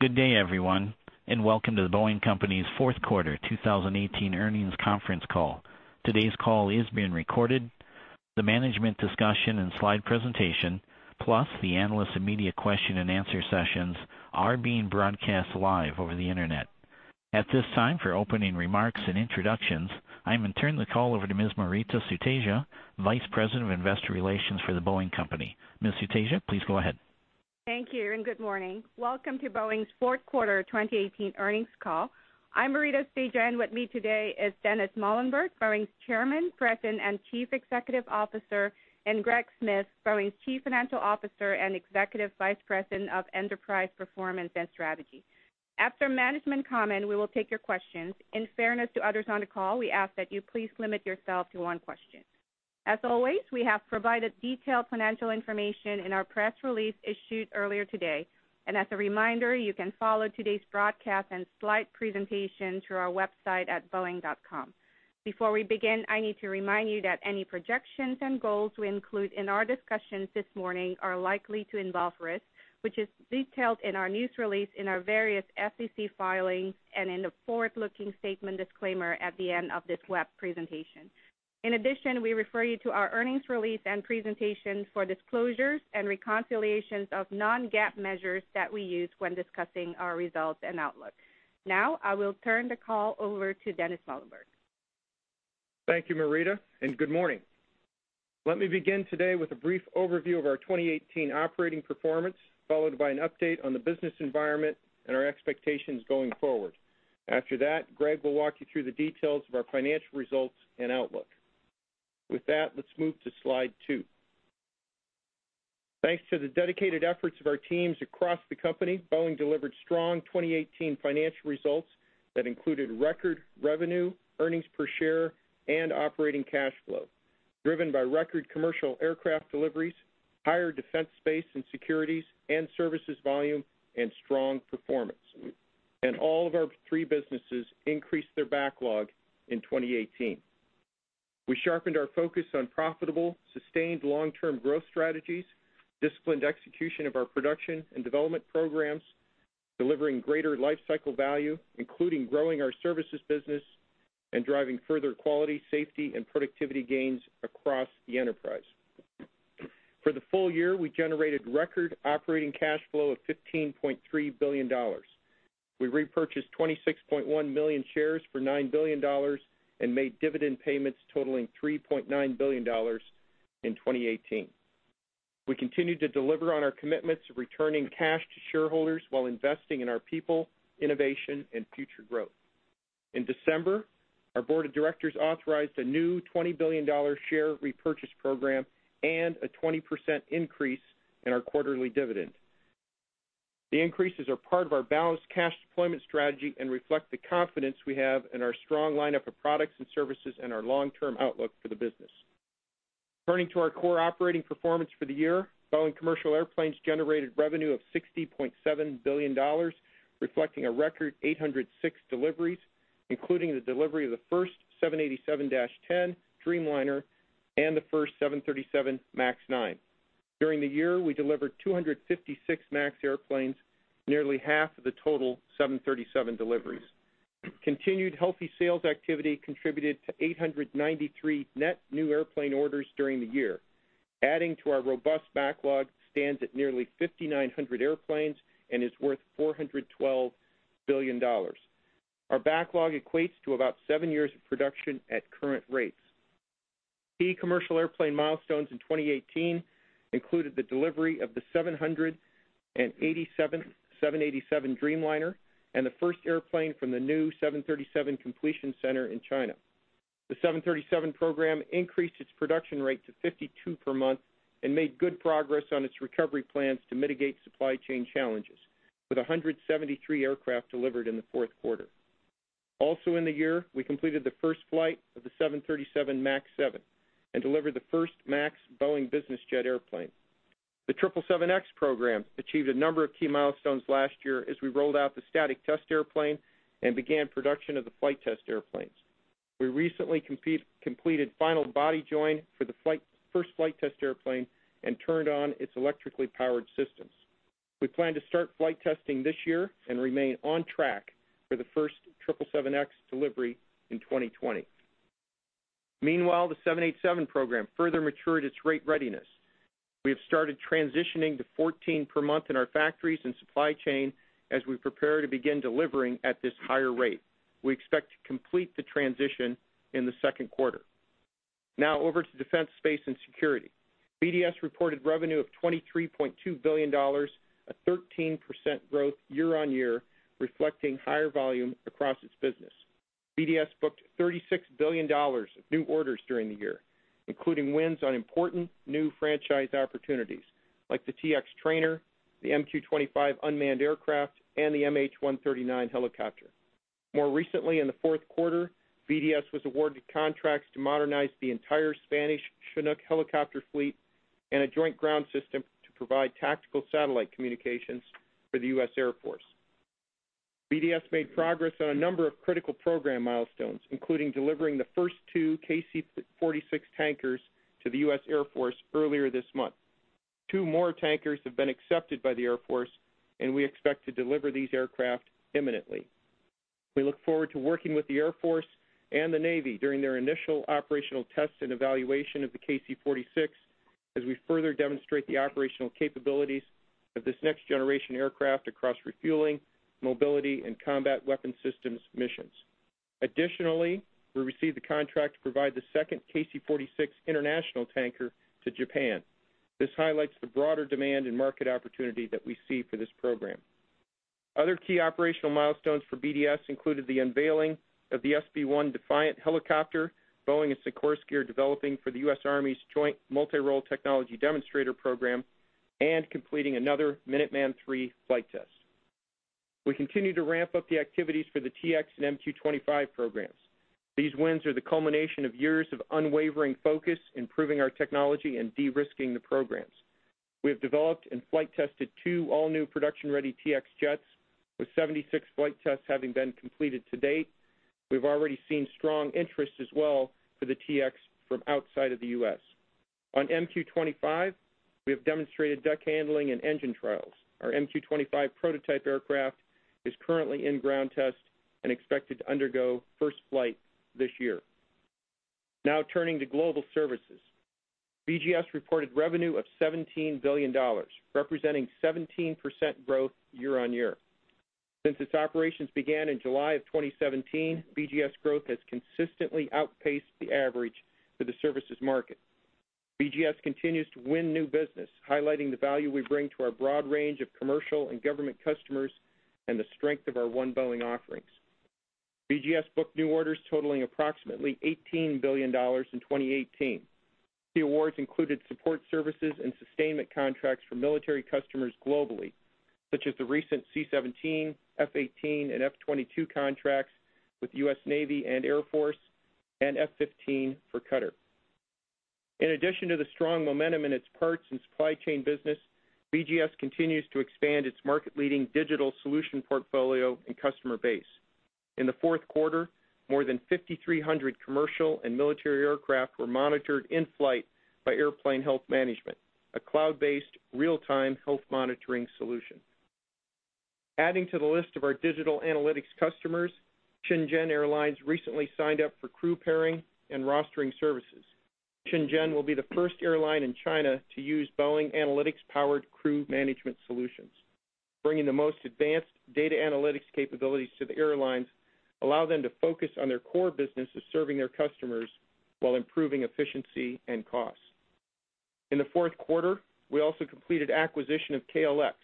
Good day, everyone. Welcome to The Boeing Company's fourth quarter 2018 earnings conference call. Today's call is being recorded. The management discussion and slide presentation, plus the analyst and media question and answer sessions are being broadcast live over the internet. At this time, for opening remarks and introductions, I am going to turn the call over to Ms. Maurita Sutedja, Vice President of Investor Relations for The Boeing Company. Ms. Sutedja, please go ahead. Thank you. Good morning. Welcome to Boeing's fourth quarter 2018 earnings call. I'm Maurita Sutedja, and with me today is Dennis Muilenburg, Boeing's Chairman, President, and Chief Executive Officer, and Greg Smith, Boeing's Chief Financial Officer and Executive Vice President of Enterprise Performance and Strategy. After management comment, we will take your questions. In fairness to others on the call, we ask that you please limit yourself to one question. As always, we have provided detailed financial information in our press release issued earlier today. As a reminder, you can follow today's broadcast and slide presentation through our website at boeing.com. Before we begin, I need to remind you that any projections and goals we include in our discussions this morning are likely to involve risk, which is detailed in our news release, in our various SEC filings, and in the forward-looking statement disclaimer at the end of this web presentation. In addition, we refer you to our earnings release and presentation for disclosures and reconciliations of non-GAAP measures that we use when discussing our results and outlook. Now, I will turn the call over to Dennis Muilenburg. Thank you, Maurita. Good morning. Let me begin today with a brief overview of our 2018 operating performance, followed by an update on the business environment and our expectations going forward. After that, Greg will walk you through the details of our financial results and outlook. With that, let's move to slide two. Thanks to the dedicated efforts of our teams across the company, Boeing delivered strong 2018 financial results that included record revenue, earnings per share, and operating cash flow, driven by record commercial aircraft deliveries, higher Defense, Space & Security, and services volume and strong performance. All of our three businesses increased their backlog in 2018. We sharpened our focus on profitable, sustained long-term growth strategies, disciplined execution of our production and development programs, delivering greater life cycle value, including growing our services business, and driving further quality, safety, and productivity gains across the enterprise. For the full year, we generated record operating cash flow of $15.3 billion. We repurchased 26.1 million shares for $9 billion and made dividend payments totaling $3.9 billion in 2018. We continued to deliver on our commitments of returning cash to shareholders while investing in our people, innovation, and future growth. In December, our board of directors authorized a new $20 billion share repurchase program and a 20% increase in our quarterly dividend. The increases are part of our balanced cash deployment strategy and reflect the confidence we have in our strong lineup of products and services and our long-term outlook for the business. Turning to our core operating performance for the year, Boeing Commercial Airplanes generated revenue of $60.7 billion, reflecting a record 806 deliveries, including the delivery of the first 787-10 Dreamliner and the first 737 MAX 9. During the year, we delivered 256 MAX airplanes, nearly half of the total 737 deliveries. Continued healthy sales activity contributed to 893 net new airplane orders during the year, adding to our robust backlog, stands at nearly 5,900 airplanes and is worth $412 billion. Our backlog equates to about seven years of production at current rates. Key commercial airplane milestones in 2018 included the delivery of the 787th 787 Dreamliner and the first airplane from the new 737 completion center in China. The 737 program increased its production rate to 52 per month and made good progress on its recovery plans to mitigate supply chain challenges, with 173 aircraft delivered in the fourth quarter. Also in the year, we completed the first flight of the 737 MAX 7 and delivered the first MAX Boeing Business Jet airplane. The 777X program achieved a number of key milestones last year as we rolled out the static test airplane and began production of the flight test airplanes. We recently completed final body join for the first flight test airplane and turned on its electrically powered systems. We plan to start flight testing this year and remain on track for the first 777X delivery in 2020. Meanwhile, the 787 program further matured its rate readiness. We have started transitioning to 14 per month in our factories and supply chain as we prepare to begin delivering at this higher rate. We expect to complete the transition in the second quarter. Now, over to Defense, Space & Security. BDS reported revenue of $23.2 billion, a 13% growth year-over-year, reflecting higher volume across its business. BDS booked $36 billion of new orders during the year, including wins on important new franchise opportunities, like the T-X trainer, the MQ-25 unmanned aircraft, and the MH-139 helicopter. More recently, in the fourth quarter, BDS was awarded contracts to modernize the entire Spanish Chinook helicopter fleet and a joint ground system to provide tactical satellite communications for the U.S. Air Force. BDS made progress on a number of critical program milestones, including delivering the first two KC-46 tankers to the U.S. Air Force earlier this month. Two more tankers have been accepted by the Air Force, and we expect to deliver these aircraft imminently. We look forward to working with the Air Force and the Navy during their initial operational tests and evaluation of the KC-46 as we further demonstrate the operational capabilities of this next-generation aircraft across refueling, mobility, and combat weapon systems missions. Additionally, we received the contract to provide the second KC-46 international tanker to Japan. This highlights the broader demand and market opportunity that we see for this program. Other key operational milestones for BDS included the unveiling of the SB-1 Defiant helicopter, Boeing and Sikorsky are developing for the U.S. Army's joint multi-role technology demonstrator program, and completing another Minuteman III flight test. We continue to ramp up the activities for the T-X and MQ-25 programs. These wins are the culmination of years of unwavering focus, improving our technology and de-risking the programs. We have developed and flight tested two all-new production-ready T-X jets with 76 flight tests having been completed to date. We've already seen strong interest as well for the T-X from outside of the U.S. On MQ-25, we have demonstrated deck handling and engine trials. Our MQ-25 prototype aircraft is currently in ground test and expected to undergo first flight this year. Now turning to Global Services. BGS reported revenue of $17 billion, representing 17% growth year-on-year. Since its operations began in July of 2017, BGS growth has consistently outpaced the average for the services market. BGS continues to win new business, highlighting the value we bring to our broad range of commercial and government customers and the strength of our One Boeing offerings. BGS booked new orders totaling approximately $18 billion in 2018. The awards included support services and sustainment contracts for military customers globally, such as the recent C-17, F/A-18, and F-22 contracts with U.S. Navy and Air Force, and F-15 for Qatar. In addition to the strong momentum in its parts and supply chain business, BGS continues to expand its market-leading digital solution portfolio and customer base. In the fourth quarter, more than 5,300 commercial and military aircraft were monitored in flight by Airplane Health Management, a cloud-based real-time health monitoring solution. Adding to the list of our digital analytics customers, Shenzhen Airlines recently signed up for crew pairing and rostering services. Shenzhen will be the first airline in China to use Boeing AnalytX-powered crew management solutions. Bringing the most advanced data analytics capabilities to the airlines allow them to focus on their core business of serving their customers while improving efficiency and costs. In the fourth quarter, we also completed acquisition of KLX,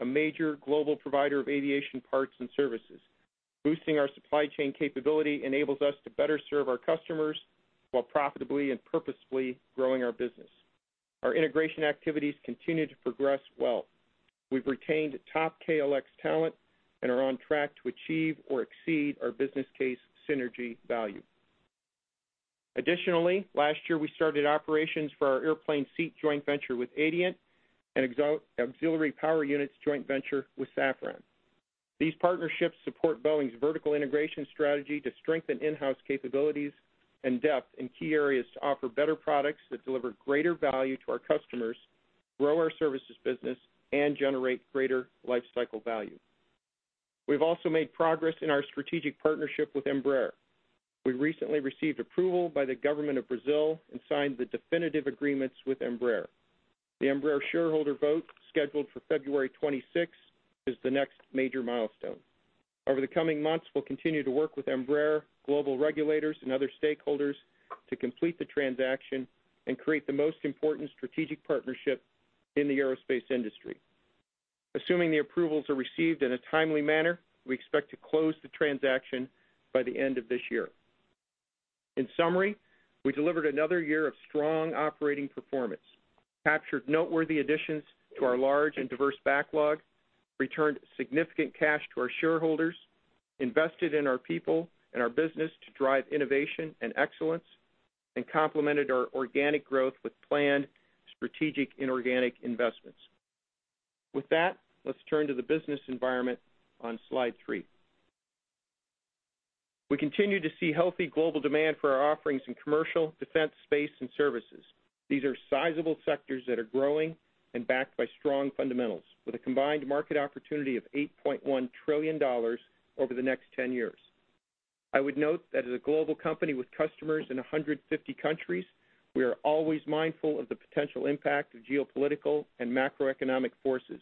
a major global provider of aviation parts and services. Boosting our supply chain capability enables us to better serve our customers while profitably and purposefully growing our business. Our integration activities continue to progress well. We've retained top KLX talent and are on track to achieve or exceed our business case synergy value. Additionally, last year, we started operations for our airplane seat joint venture with Adient and auxiliary power units joint venture with Safran. These partnerships support Boeing's vertical integration strategy to strengthen in-house capabilities and depth in key areas to offer better products that deliver greater value to our customers, grow our services business, and generate greater life cycle value. We've also made progress in our strategic partnership with Embraer. We recently received approval by the government of Brazil and signed the definitive agreements with Embraer. The Embraer shareholder vote, scheduled for February 26th, is the next major milestone. Over the coming months, we'll continue to work with Embraer, global regulators, and other stakeholders to complete the transaction and create the most important strategic partnership in the aerospace industry. Assuming the approvals are received in a timely manner, we expect to close the transaction by the end of this year. In summary, we delivered another year of strong operating performance, captured noteworthy additions to our large and diverse backlog, returned significant cash to our shareholders, invested in our people and our business to drive innovation and excellence, and complemented our organic growth with planned strategic inorganic investments. With that, let's turn to the business environment on slide three. We continue to see healthy global demand for our offerings in Commercial, Defense, Space, and Services. These are sizable sectors that are growing and backed by strong fundamentals with a combined market opportunity of $8.1 trillion over the next 10 years. I would note that as a global company with customers in 150 countries, we are always mindful of the potential impact of geopolitical and macroeconomic forces.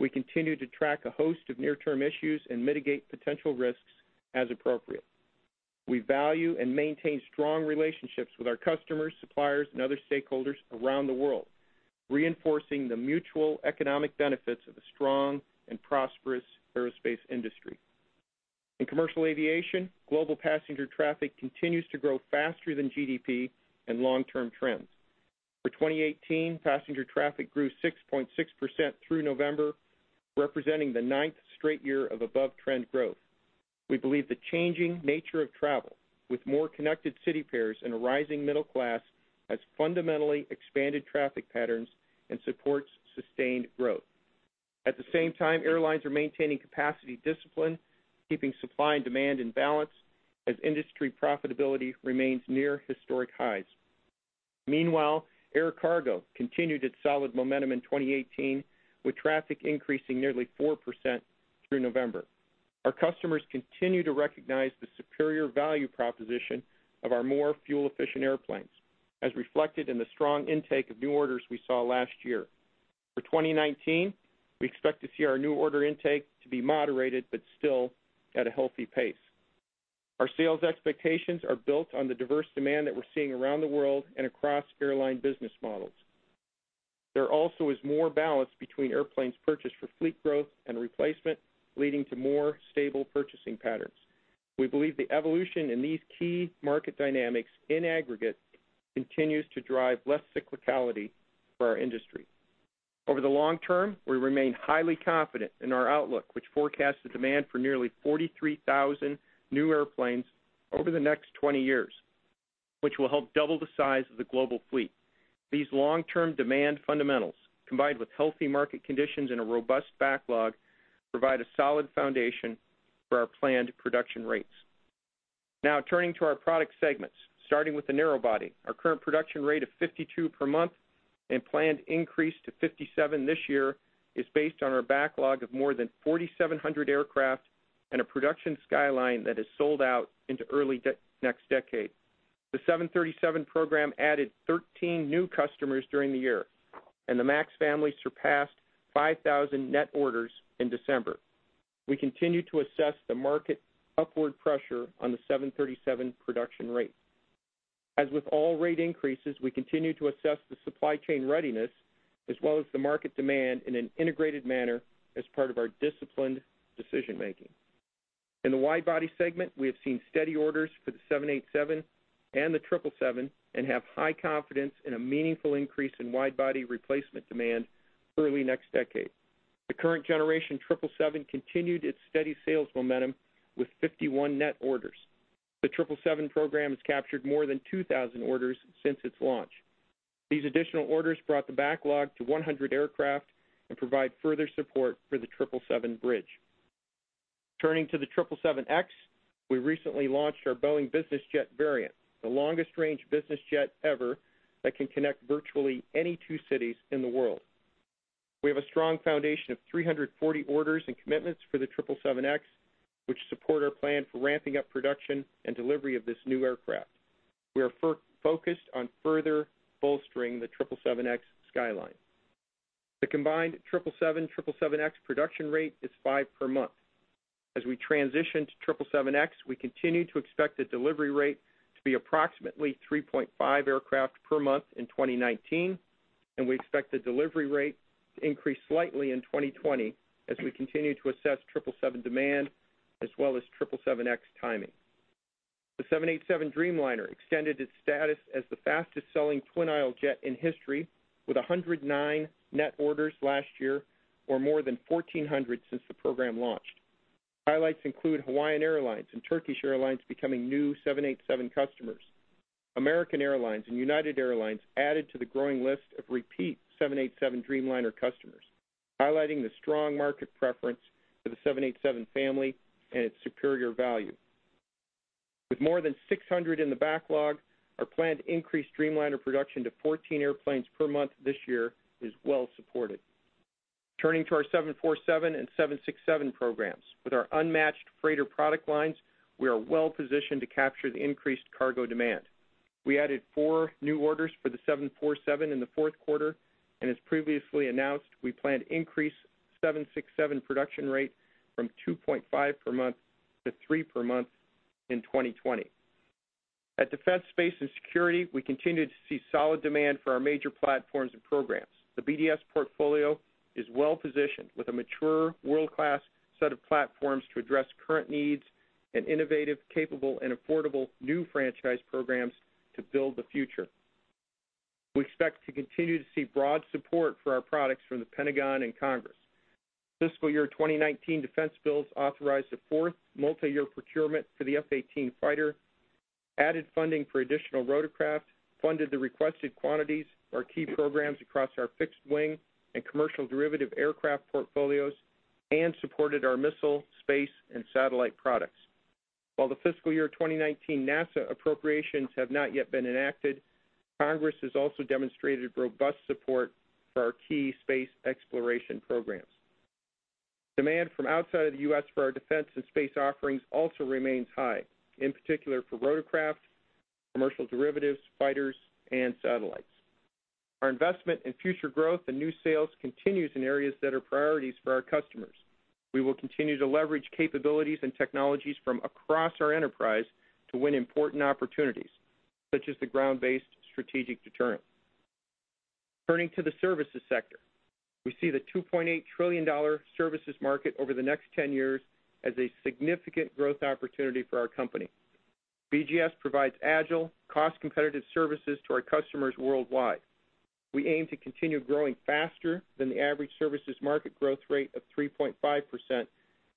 We continue to track a host of near-term issues and mitigate potential risks as appropriate. We value and maintain strong relationships with our customers, suppliers, and other stakeholders around the world, reinforcing the mutual economic benefits of a strong and prosperous aerospace industry. In commercial aviation, global passenger traffic continues to grow faster than GDP and long-term trends. For 2018, passenger traffic grew 6.6% through November, representing the ninth straight year of above-trend growth. We believe the changing nature of travel, with more connected city pairs and a rising middle class, has fundamentally expanded traffic patterns and supports sustained growth. At the same time, airlines are maintaining capacity discipline, keeping supply and demand in balance as industry profitability remains near historic highs. Meanwhile, air cargo continued its solid momentum in 2018, with traffic increasing nearly 4% through November. Our customers continue to recognize the superior value proposition of our more fuel-efficient airplanes, as reflected in the strong intake of new orders we saw last year. For 2019, we expect to see our new order intake to be moderated, but still at a healthy pace. Our sales expectations are built on the diverse demand that we're seeing around the world and across airline business models. There also is more balance between airplanes purchased for fleet growth and replacement, leading to more stable purchasing patterns. We believe the evolution in these key market dynamics in aggregate continues to drive less cyclicality for our industry. Over the long term, we remain highly confident in our outlook, which forecasts the demand for nearly 43,000 new airplanes over the next 20 years, which will help double the size of the global fleet. These long-term demand fundamentals, combined with healthy market conditions and a robust backlog, provide a solid foundation for our planned production rates. Now, turning to our product segments. Starting with the narrow-body, our current production rate of 52 per month and planned increase to 57 this year is based on our backlog of more than 4,700 aircraft and a production skyline that is sold out into early next decade. The 737 program added 13 new customers during the year, and the MAX family surpassed 5,000 net orders in December. We continue to assess the market upward pressure on the 737 production rate. As with all rate increases, we continue to assess the supply chain readiness as well as the market demand in an integrated manner as part of our disciplined decision-making. In the wide-body segment, we have seen steady orders for the 787 and the 777, and have high confidence in a meaningful increase in wide-body replacement demand early next decade. The current generation 777 continued its steady sales momentum with 51 net orders. The 777 program has captured more than 2,000 orders since its launch. These additional orders brought the backlog to 100 aircraft and provide further support for the 777 bridge. Turning to the 777X, we recently launched our Boeing Business Jet variant, the longest-range business jet ever that can connect virtually any two cities in the world. We have a strong foundation of 340 orders and commitments for the 777X, which support our plan for ramping up production and delivery of this new aircraft. We are focused on further bolstering the 777X skyline. The combined 777, 777X production rate is five per month. As we transition to 777X, we continue to expect the delivery rate to be approximately 3.5 aircraft per month in 2019, and we expect the delivery rate to increase slightly in 2020 as we continue to assess 777 demand as well as 777X timing. The 787 Dreamliner extended its status as the fastest-selling twin-aisle jet in history with 109 net orders last year, or more than 1,400 since the program launched. Highlights include Hawaiian Airlines and Turkish Airlines becoming new 787 customers. American Airlines and United Airlines added to the growing list of repeat 787 Dreamliner customers, highlighting the strong market preference for the 787 family and its superior value. With more than 600 in the backlog, our planned increased Dreamliner production to 14 airplanes per month this year is well supported. Turning to our 747 and 767 programs. With our unmatched freighter product lines, we are well positioned to capture the increased cargo demand. We added four new orders for the 747 in the fourth quarter, and as previously announced, we plan to increase 767 production rate from 2.5 per month to three per month in 2020. At Defense, Space & Security, we continue to see solid demand for our major platforms and programs. The BDS portfolio is well positioned with a mature, world-class set of platforms to address current needs and innovative, capable, and affordable new franchise programs to build the future. We expect to continue to see broad support for our products from the Pentagon and Congress. Fiscal year 2019 defense bills authorized a fourth multi-year procurement for the F-18 fighter, added funding for additional rotorcraft, funded the requested quantities for our key programs across our fixed wing and commercial derivative aircraft portfolios, and supported our missile, space, and satellite products. While the fiscal year 2019 NASA appropriations have not yet been enacted, Congress has also demonstrated robust support for our key space exploration programs. Demand from outside of the U.S. for our defense and space offerings also remains high, in particular for rotorcraft, commercial derivatives, fighters, and satellites. Our investment in future growth and new sales continues in areas that are priorities for our customers. We will continue to leverage capabilities and technologies from across our enterprise to win important opportunities, such as the Ground Based Strategic Deterrent. Turning to the services sector. We see the $2.8 trillion services market over the next 10 years as a significant growth opportunity for our company. BGS provides agile, cost-competitive services to our customers worldwide. We aim to continue growing faster than the average services market growth rate of 3.5%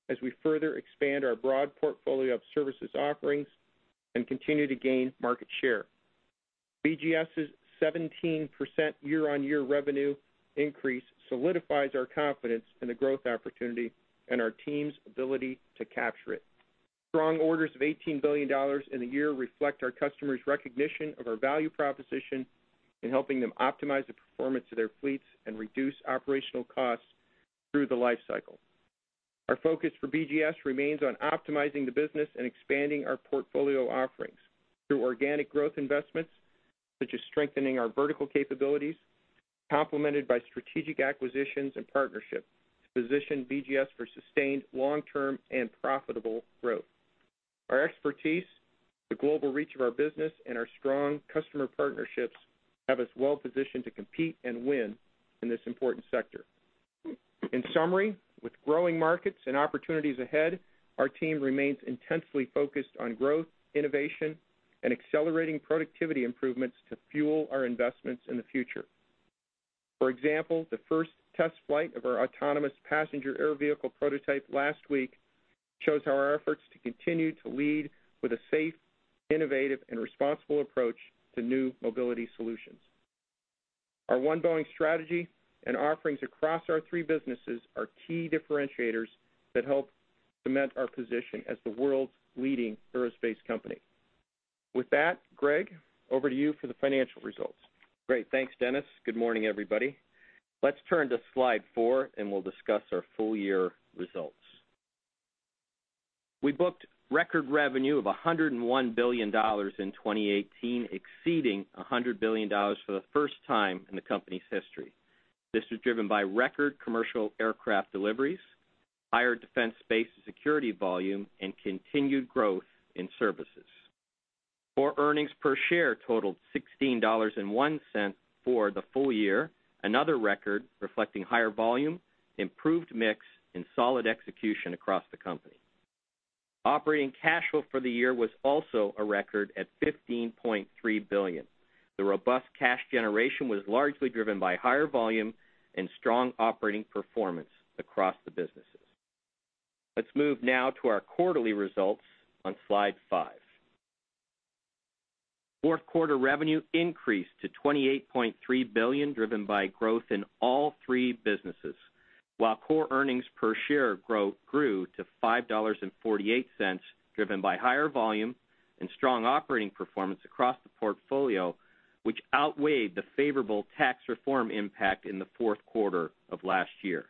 as we further expand our broad portfolio of services offerings and continue to gain market share. BGS's 17% year-on-year revenue increase solidifies our confidence in the growth opportunity and our team's ability to capture it. Strong orders of $18 billion in the year reflect our customers' recognition of our value proposition in helping them optimize the performance of their fleets and reduce operational costs through the life cycle. Our focus for BGS remains on optimizing the business and expanding our portfolio offerings through organic growth investments, such as strengthening our vertical capabilities, complemented by strategic acquisitions and partnerships to position BGS for sustained long-term and profitable growth. Our expertise, the global reach of our business, and our strong customer partnerships have us well-positioned to compete and win in this important sector. In summary, with growing markets and opportunities ahead, our team remains intensely focused on growth, innovation, and accelerating productivity improvements to fuel our investments in the future. For example, the first test flight of our autonomous passenger air vehicle prototype last week shows how our efforts to continue to lead with a safe, innovative, and responsible approach to new mobility solutions. Our One Boeing strategy and offerings across our three businesses are key differentiators that help cement our position as the world's leading aerospace company. With that, Greg, over to you for the financial results. Great. Thanks, Dennis. Good morning, everybody. Let's turn to slide four, and we'll discuss our full-year results. We booked record revenue of $101 billion in 2018, exceeding $100 billion for the first time in the company's history. This was driven by record commercial aircraft deliveries, higher Defense, Space & Security volume, and continued growth in services. Core earnings per share totaled $16.01 for the full year, another record reflecting higher volume, improved mix, and solid execution across the company. Operating cash flow for the year was also a record at $15.3 billion. The robust cash generation was largely driven by higher volume and strong operating performance across the businesses. Let's move now to our quarterly results on slide five. Fourth quarter revenue increased to $28.3 billion, driven by growth in all three businesses, while core earnings per share grew to $5.48, driven by higher volume and strong operating performance across the portfolio, which outweighed the favorable tax reform impact in the fourth quarter of last year.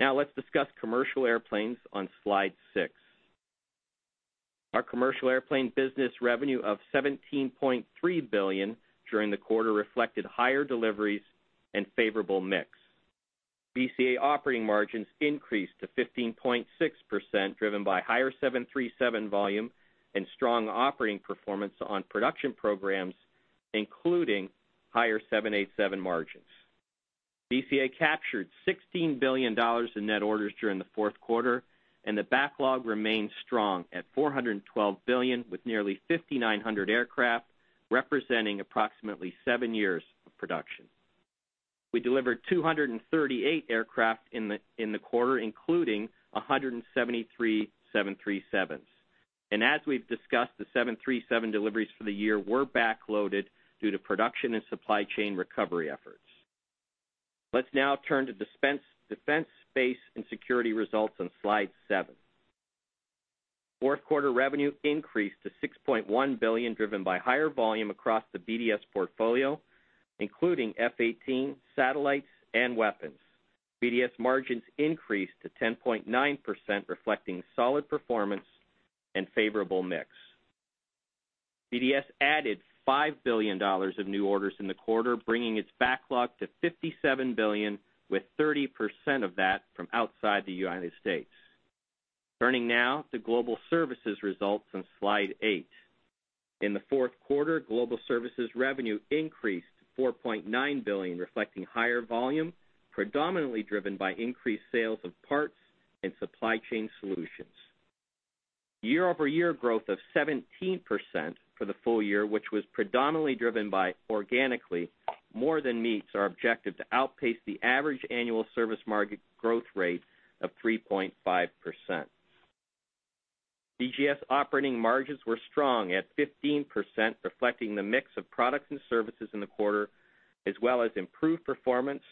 Let's discuss Commercial Airplanes on slide six. Our Commercial Airplanes business revenue of $17.3 billion during the quarter reflected higher deliveries and favorable mix. BCA operating margins increased to 15.6%, driven by higher 737 volume and strong operating performance on production programs, including higher 787 margins. BCA captured $16 billion in net orders during the fourth quarter, and the backlog remains strong at $412 billion, with nearly 5,900 aircraft, representing approximately seven years of production. We delivered 238 aircraft in the quarter, including 173 737s. As we've discussed, the 737 deliveries for the year were backloaded due to production and supply chain recovery efforts. Let's now turn to Defense, Space & Security results on slide seven. Fourth quarter revenue increased to $6.1 billion, driven by higher volume across the BDS portfolio, including F-18, satellites, and weapons. BDS margins increased to 10.9%, reflecting solid performance and favorable mix. BDS added $5 billion of new orders in the quarter, bringing its backlog to $57 billion, with 30% of that from outside the United States. Turning now to Global Services results on slide eight. In the fourth quarter, Global Services revenue increased to $4.9 billion, reflecting higher volume, predominantly driven by increased sales of parts and supply chain solutions. Year-over-year growth of 17% for the full year, which was predominantly driven by organically, more than meets our objective to outpace the average annual service market growth rate of 3.5%. BGS operating margins were strong at 15%, reflecting the mix of products and services in the quarter, as well as improved performance,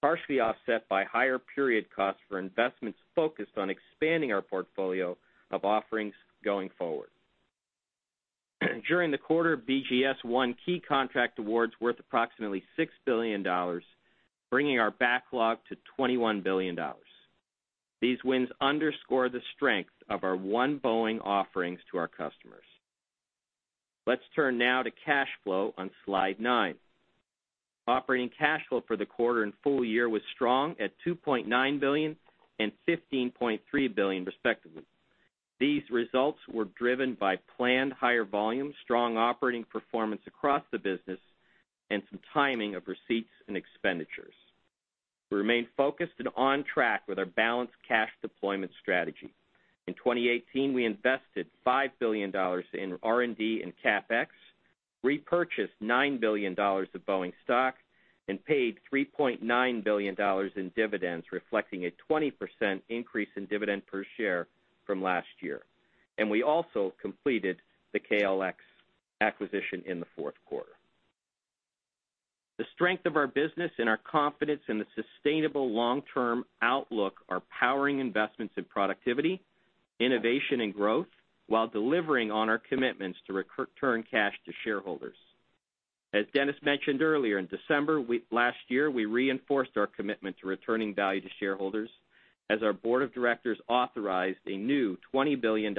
partially offset by higher period costs for investments focused on expanding our portfolio of offerings going forward. During the quarter, BGS won key contract awards worth approximately $6 billion, bringing our backlog to $21 billion. These wins underscore the strength of our One Boeing offerings to our customers. Let's turn now to cash flow on slide nine. Operating cash flow for the quarter and full year was strong at $2.9 billion and $15.3 billion, respectively. These results were driven by planned higher volumes, strong operating performance across the business, and some timing of receipts and expenditures. We remain focused and on track with our balanced cash deployment strategy. In 2018, we invested $5 billion in R&D and CapEx, repurchased $9 billion of Boeing stock, and paid $3.9 billion in dividends, reflecting a 20% increase in dividend per share from last year. We also completed the KLX acquisition in the fourth quarter. The strength of our business and our confidence in the sustainable long-term outlook are powering investments in productivity, innovation, and growth while delivering on our commitments to return cash to shareholders. As Dennis mentioned earlier, in December last year, we reinforced our commitment to returning value to shareholders as our board of directors authorized a new $20 billion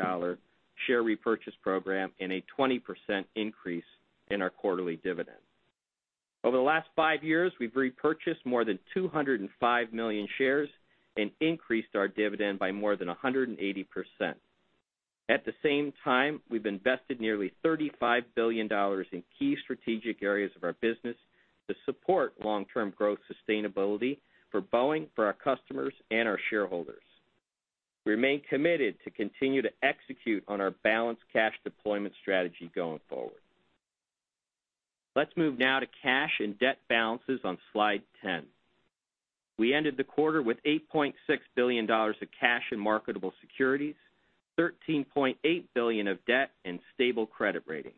share repurchase program and a 20% increase in our quarterly dividend. Over the last five years, we've repurchased more than 205 million shares and increased our dividend by more than 180%. At the same time, we've invested nearly $35 billion in key strategic areas of our business to support long-term growth sustainability for Boeing, for our customers, and our shareholders. We remain committed to continue to execute on our balanced cash deployment strategy going forward. Let's move now to cash and debt balances on slide 10. We ended the quarter with $8.6 billion of cash and marketable securities, $13.8 billion of debt, and stable credit ratings.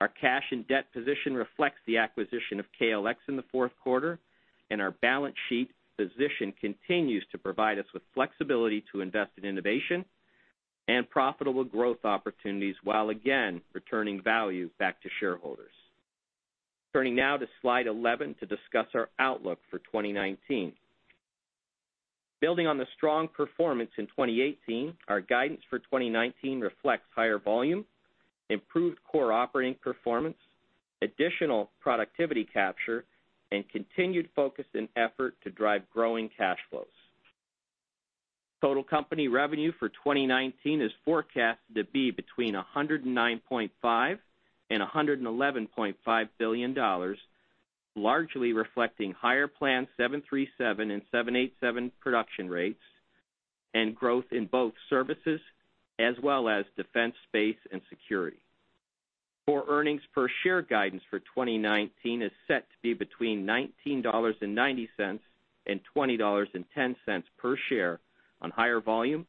Our cash and debt position reflects the acquisition of KLX in the fourth quarter, and our balance sheet position continues to provide us with flexibility to invest in innovation and profitable growth opportunities while again, returning value back to shareholders. Turning now to slide 11 to discuss our outlook for 2019. Building on the strong performance in 2018, our guidance for 2019 reflects higher volume, improved core operating performance, additional productivity capture, and continued focus and effort to drive growing cash flows. Total company revenue for 2019 is forecasted to be between $109.5 billion and $111.5 billion, largely reflecting higher planned 737 and 787 production rates and growth in both services, as well as defense, space, and security. Core earnings per share guidance for 2019 is set to be between $19.90 and $20.10 per share on higher volume,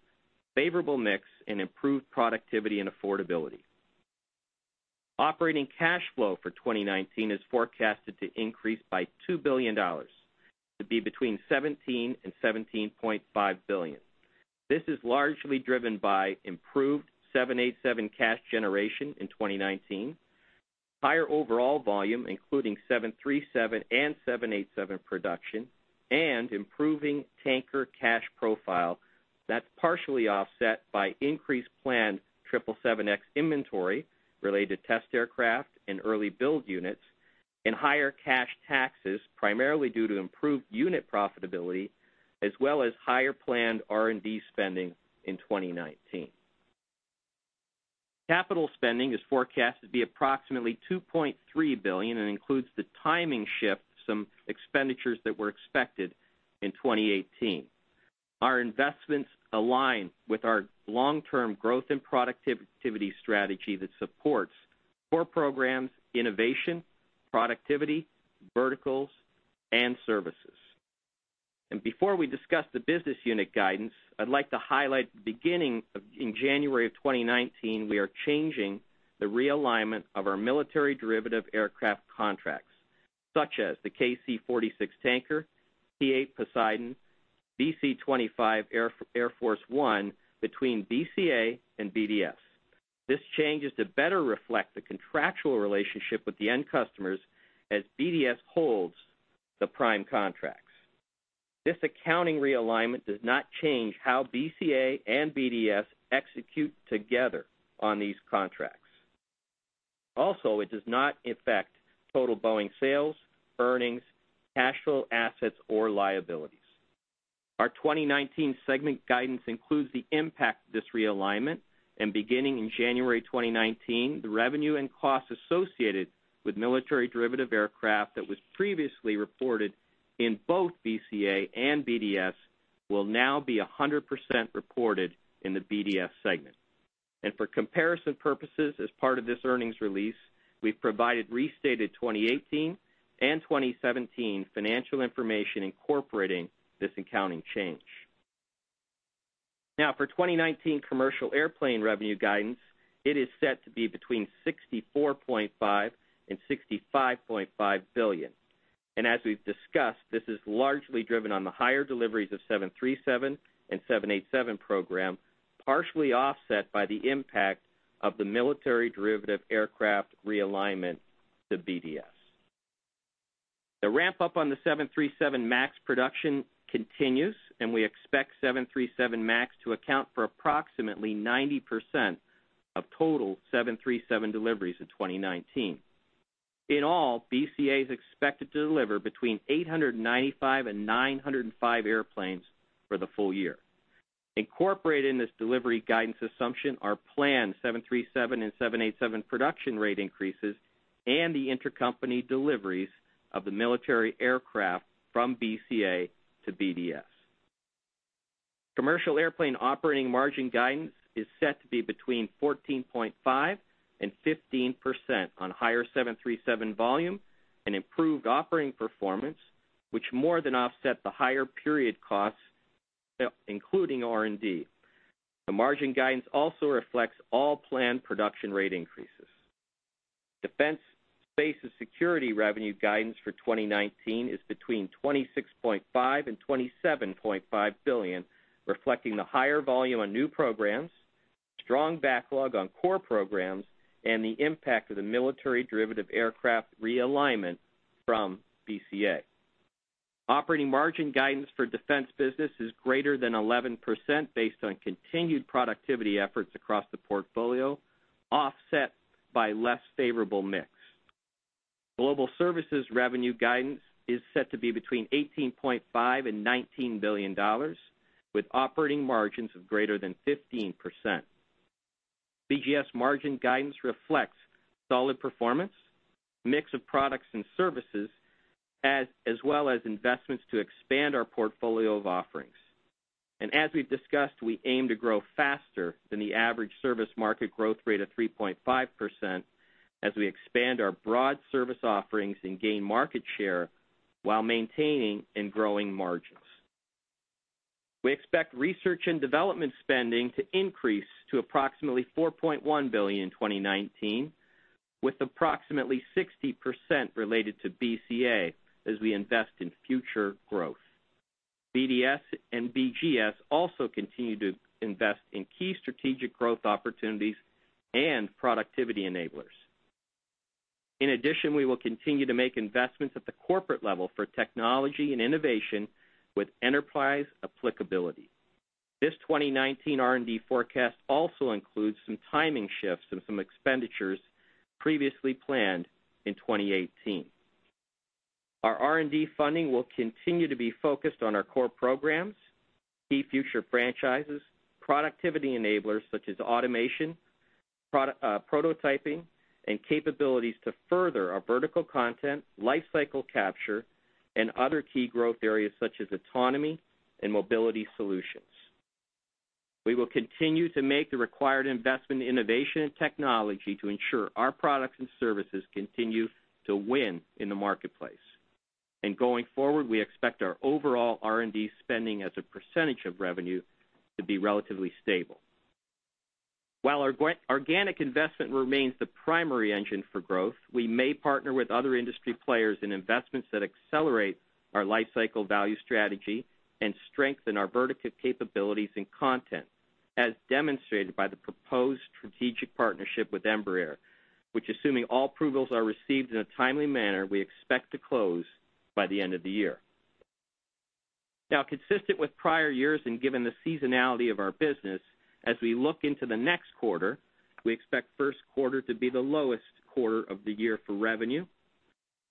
favorable mix, and improved productivity and affordability. Operating cash flow for 2019 is forecasted to increase by $2 billion, to be between $17 billion and $17.5 billion. This is largely driven by improved 787 cash generation in 2019, higher overall volume, including 737 and 787 production, and improving tanker cash profile that's partially offset by increased planned 777X inventory related to test aircraft and early build units, and higher cash taxes, primarily due to improved unit profitability, as well as higher planned R&D spending in 2019. Capital spending is forecasted to be approximately $2.3 billion and includes the timing shift, some expenditures that were expected in 2018. Our investments align with our long-term growth and productivity strategy that supports core programs, innovation, productivity, verticals, and services. Before we discuss the business unit guidance, I'd like to highlight, beginning in January 2019, we are changing the realignment of our military derivative aircraft contracts, such as the KC-46 Tanker, P-8 Poseidon, VC-25 Air Force One, between BCA and BDS. This change is to better reflect the contractual relationship with the end customers as BDS holds the prime contracts. This accounting realignment does not change how BCA and BDS execute together on these contracts. Also, it does not affect total Boeing sales, earnings, cash flow assets, or liabilities. Our 2019 segment guidance includes the impact of this realignment, and beginning in January 2019, the revenue and cost associated with military derivative aircraft that was previously reported in both BCA and BDS will now be 100% reported in the BDS segment. For comparison purposes, as part of this earnings release, we've provided restated 2018 and 2017 financial information incorporating this accounting change. Now, for 2019 commercial airplane revenue guidance, it is set to be between $64.5 billion and $65.5 billion. As we've discussed, this is largely driven on the higher deliveries of 737 and 787 program, partially offset by the impact of the military derivative aircraft realignment to BDS. The ramp-up on the 737 MAX production continues, we expect 737 MAX to account for approximately 90% of total 737 deliveries in 2019. In all, BCA is expected to deliver between 895 and 905 airplanes for the full year. Incorporated in this delivery guidance assumption are planned 737 and 787 production rate increases and the intercompany deliveries of the military aircraft from BCA to BDS. Commercial airplane operating margin guidance is set to be between 14.5% and 15% on higher 737 volume and improved operating performance, which more than offset the higher period costs, including R&D. The margin guidance also reflects all planned production rate increases. Defense, Space & Security revenue guidance for 2019 is between $26.5 billion and $27.5 billion, reflecting the higher volume on new programs, strong backlog on core programs, and the impact of the military derivative aircraft realignment from BCA. Operating margin guidance for defense business is greater than 11%, based on continued productivity efforts across the portfolio, offset by less favorable mix. Global Services revenue guidance is set to be between $18.5 billion and $19 billion, with operating margins of greater than 15%. BGS margin guidance reflects solid performance, mix of products and services, as well as investments to expand our portfolio of offerings. As we've discussed, we aim to grow faster than the average service market growth rate of 3.5% as we expand our broad service offerings and gain market share while maintaining and growing margins. We expect R&D spending to increase to approximately $4.1 billion in 2019, with approximately 60% related to BCA as we invest in future growth. BDS and BGS also continue to invest in key strategic growth opportunities and productivity enablers. In addition, we will continue to make investments at the corporate level for technology and innovation with enterprise applicability. This 2019 R&D forecast also includes some timing shifts of some expenditures previously planned in 2018. Our R&D funding will continue to be focused on our core programs, key future franchises, productivity enablers such as automation, prototyping, and capabilities to further our vertical content, life cycle capture, and other key growth areas such as autonomy and mobility solutions. We will continue to make the required investment in innovation and technology to ensure our products and services continue to win in the marketplace. Going forward, we expect our overall R&D spending as a percentage of revenue to be relatively stable. While organic investment remains the primary engine for growth, we may partner with other industry players in investments that accelerate our life cycle value strategy and strengthen our vertical capabilities and content, as demonstrated by the proposed strategic partnership with Embraer, which assuming all approvals are received in a timely manner, we expect to close by the end of the year. Consistent with prior years and given the seasonality of our business, as we look into the next quarter, we expect first quarter to be the lowest quarter of the year for revenue.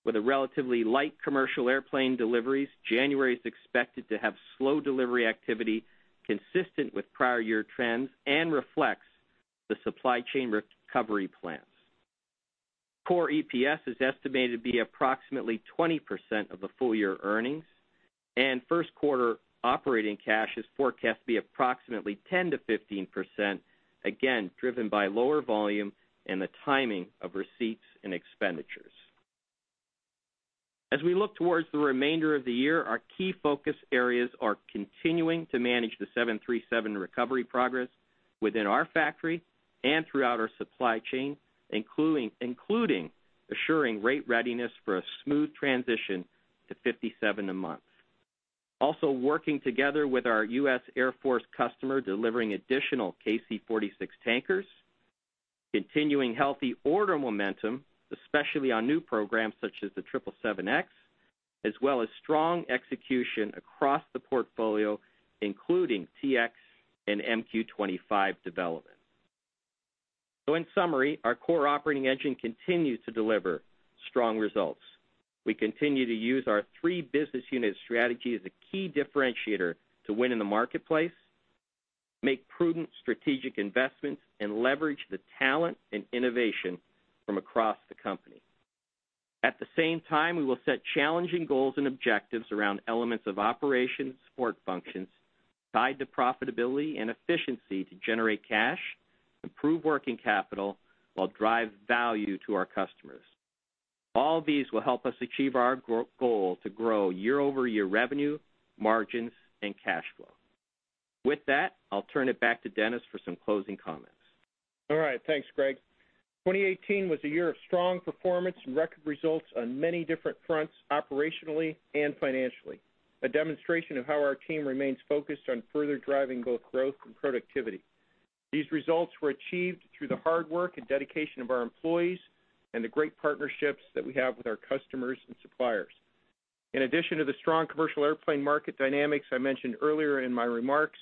With relatively light commercial airplane deliveries, January is expected to have slow delivery activity consistent with prior year trends and reflects the supply chain recovery plans. Core EPS is estimated to be approximately 20% of the full-year earnings, and first quarter operating cash is forecast to be approximately 10%-15%, again, driven by lower volume and the timing of receipts and expenditures. As we look towards the remainder of the year, our key focus areas are continuing to manage the 737 recovery progress within our factory and throughout our supply chain, including assuring rate readiness for a smooth transition to 57 a month. Also working together with our U.S. Air Force customer, delivering additional KC-46 tankers, continuing healthy order momentum, especially on new programs such as the 777X, as well as strong execution across the portfolio, including T-X and MQ-25 development. In summary, our core operating engine continues to deliver strong results. We continue to use our three business unit strategy as a key differentiator to win in the marketplace, make prudent strategic investments, and leverage the talent and innovation from across the company. At the same time, we will set challenging goals and objectives around elements of operations support functions tied to profitability and efficiency to generate cash, improve working capital, while drive value to our customers. All these will help us achieve our goal to grow year-over-year revenue, margins, and cash flow. With that, I'll turn it back to Dennis for some closing comments. All right. Thanks, Greg. 2018 was a year of strong performance and record results on many different fronts, operationally and financially, a demonstration of how our team remains focused on further driving both growth and productivity. These results were achieved through the hard work and dedication of our employees and the great partnerships that we have with our customers and suppliers. In addition to the strong commercial airplane market dynamics I mentioned earlier in my remarks,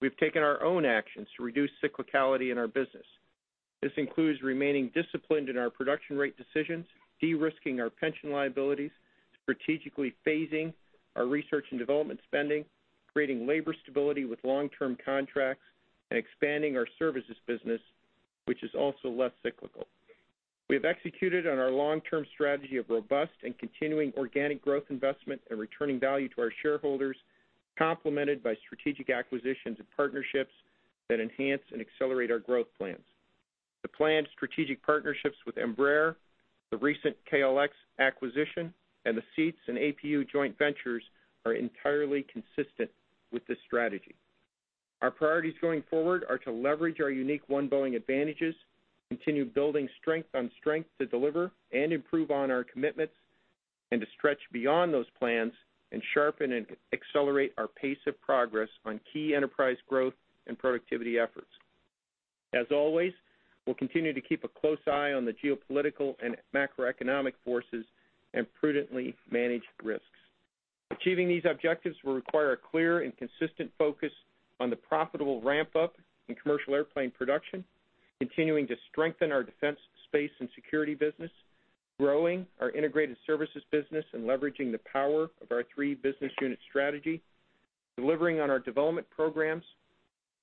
we've taken our own actions to reduce cyclicality in our business. This includes remaining disciplined in our production rate decisions, de-risking our pension liabilities, strategically phasing our R&D spending, creating labor stability with long-term contracts, and expanding our services business, which is also less cyclical. We have executed on our long-term strategy of robust and continuing organic growth investment and returning value to our shareholders, complemented by strategic acquisitions and partnerships that enhance and accelerate our growth plans. The planned strategic partnerships with Embraer, the recent KLX acquisition, and the seats and APU joint ventures are entirely consistent with this strategy. Our priorities going forward are to leverage our unique One Boeing advantages, continue building strength on strength to deliver and improve on our commitments, and to stretch beyond those plans and sharpen and accelerate our pace of progress on key enterprise growth and productivity efforts. As always, we'll continue to keep a close eye on the geopolitical and macroeconomic forces and prudently manage risks. Achieving these objectives will require a clear and consistent focus on the profitable ramp-up in commercial airplane production, continuing to strengthen our Defense, Space & Security business, growing our integrated services business and leveraging the power of our three-business unit strategy, delivering on our development programs,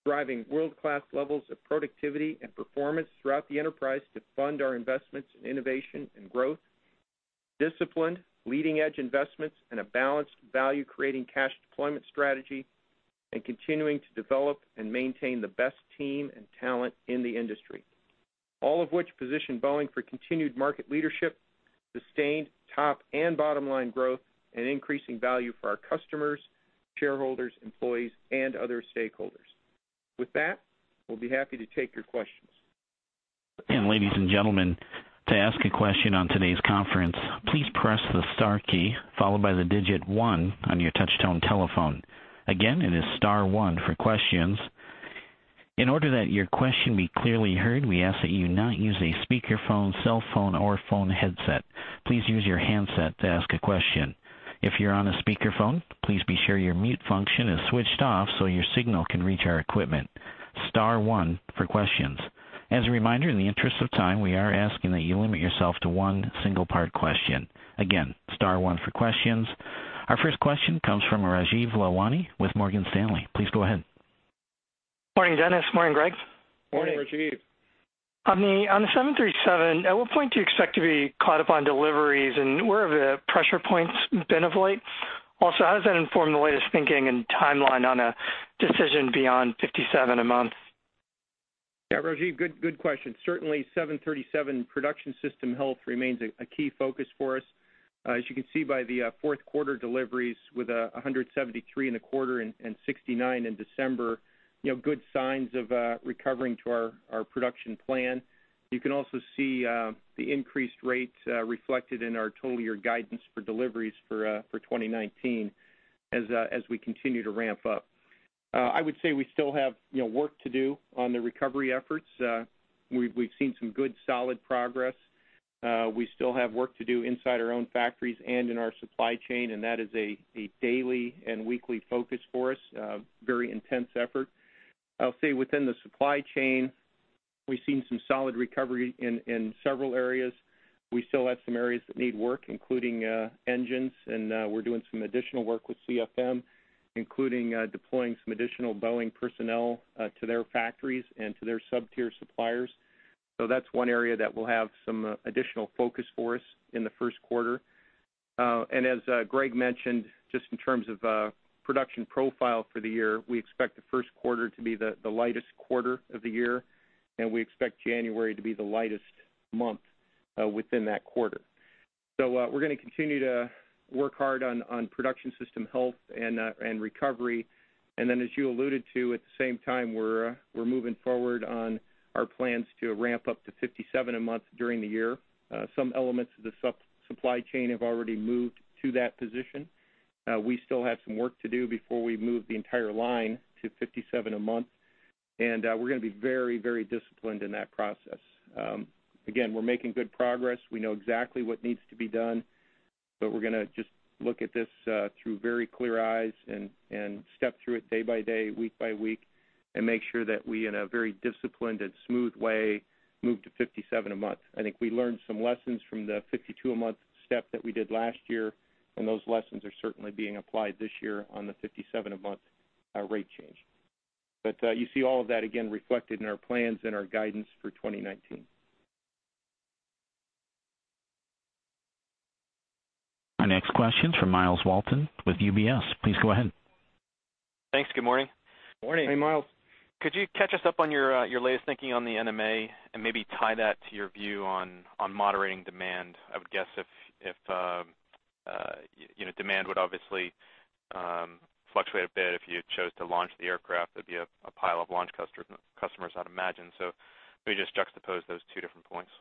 driving world-class levels of productivity and performance throughout the enterprise to fund our investments in innovation and growth, disciplined, leading-edge investments, and a balanced, value-creating cash deployment strategy, and continuing to develop and maintain the best team and talent in the industry. All of which position Boeing for continued market leadership, sustained top and bottom-line growth, and increasing value for our customers, shareholders, employees, and other stakeholders. We'll be happy to take your questions. Ladies and gentlemen, to ask a question on today's conference, please press the star key, followed by the digit one on your touch-tone telephone. Again, it is star one for questions. In order that your question be clearly heard, we ask that you not use a speakerphone, cell phone, or phone headset. Please use your handset to ask a question. If you're on a speakerphone, please be sure your mute function is switched off so your signal can reach our equipment. Star one for questions. As a reminder, in the interest of time, we are asking that you limit yourself to one single part question. Again, star one for questions. Our first question comes from Rajeev Lalwani with Morgan Stanley. Please go ahead. Morning, Dennis. Morning, Greg. Morning. Morning, Rajeev. On the 737, at what point do you expect to be caught up on deliveries, and where have the pressure points been of late? How does that inform the latest thinking and timeline on a decision beyond 57 a month? Yeah, Rajeev, good question. Certainly, 737 production system health remains a key focus for us. As you can see by the fourth quarter deliveries with 173 in the quarter and 69 in December, good signs of recovering to our production plan. You can also see the increased rates reflected in our total year guidance for deliveries for 2019 as we continue to ramp up. I would say we still have work to do on the recovery efforts. We've seen some good, solid progress. We still have work to do inside our own factories and in our supply chain, and that is a daily and weekly focus for us. A very intense effort. I'll say within the supply chain, we've seen some solid recovery in several areas. We still have some areas that need work, including engines, and we're doing some additional work with CFM, including deploying some additional Boeing personnel to their factories and to their sub-tier suppliers. That's one area that will have some additional focus for us in the first quarter. As Greg mentioned, just in terms of production profile for the year, we expect the first quarter to be the lightest quarter of the year, and we expect January to be the lightest month within that quarter. We're going to continue to work hard on production system health and recovery. As you alluded to, at the same time, we're moving forward on our plans to ramp up to 57 a month during the year. Some elements of the supply chain have already moved to that position. We still have some work to do before we move the entire line to 57 a month. We're going to be very disciplined in that process. Again, we're making good progress. We know exactly what needs to be done, we're going to just look at this through very clear eyes and step through it day by day, week by week, and make sure that we, in a very disciplined and smooth way, move to 57 a month. I think we learned some lessons from the 52-a-month step that we did last year, those lessons are certainly being applied this year on the 57-a-month rate change. You see all of that, again, reflected in our plans and our guidance for 2019. Our next question is from Myles Walton with UBS. Please go ahead. Thanks. Good morning. Morning. Hey, Myles. Could you catch us up on your latest thinking on the NMA and maybe tie that to your view on moderating demand? I would guess demand would obviously fluctuate a bit if you chose to launch the aircraft. There'd be a pile of launch customers, I'd imagine. Maybe just juxtapose those two different points.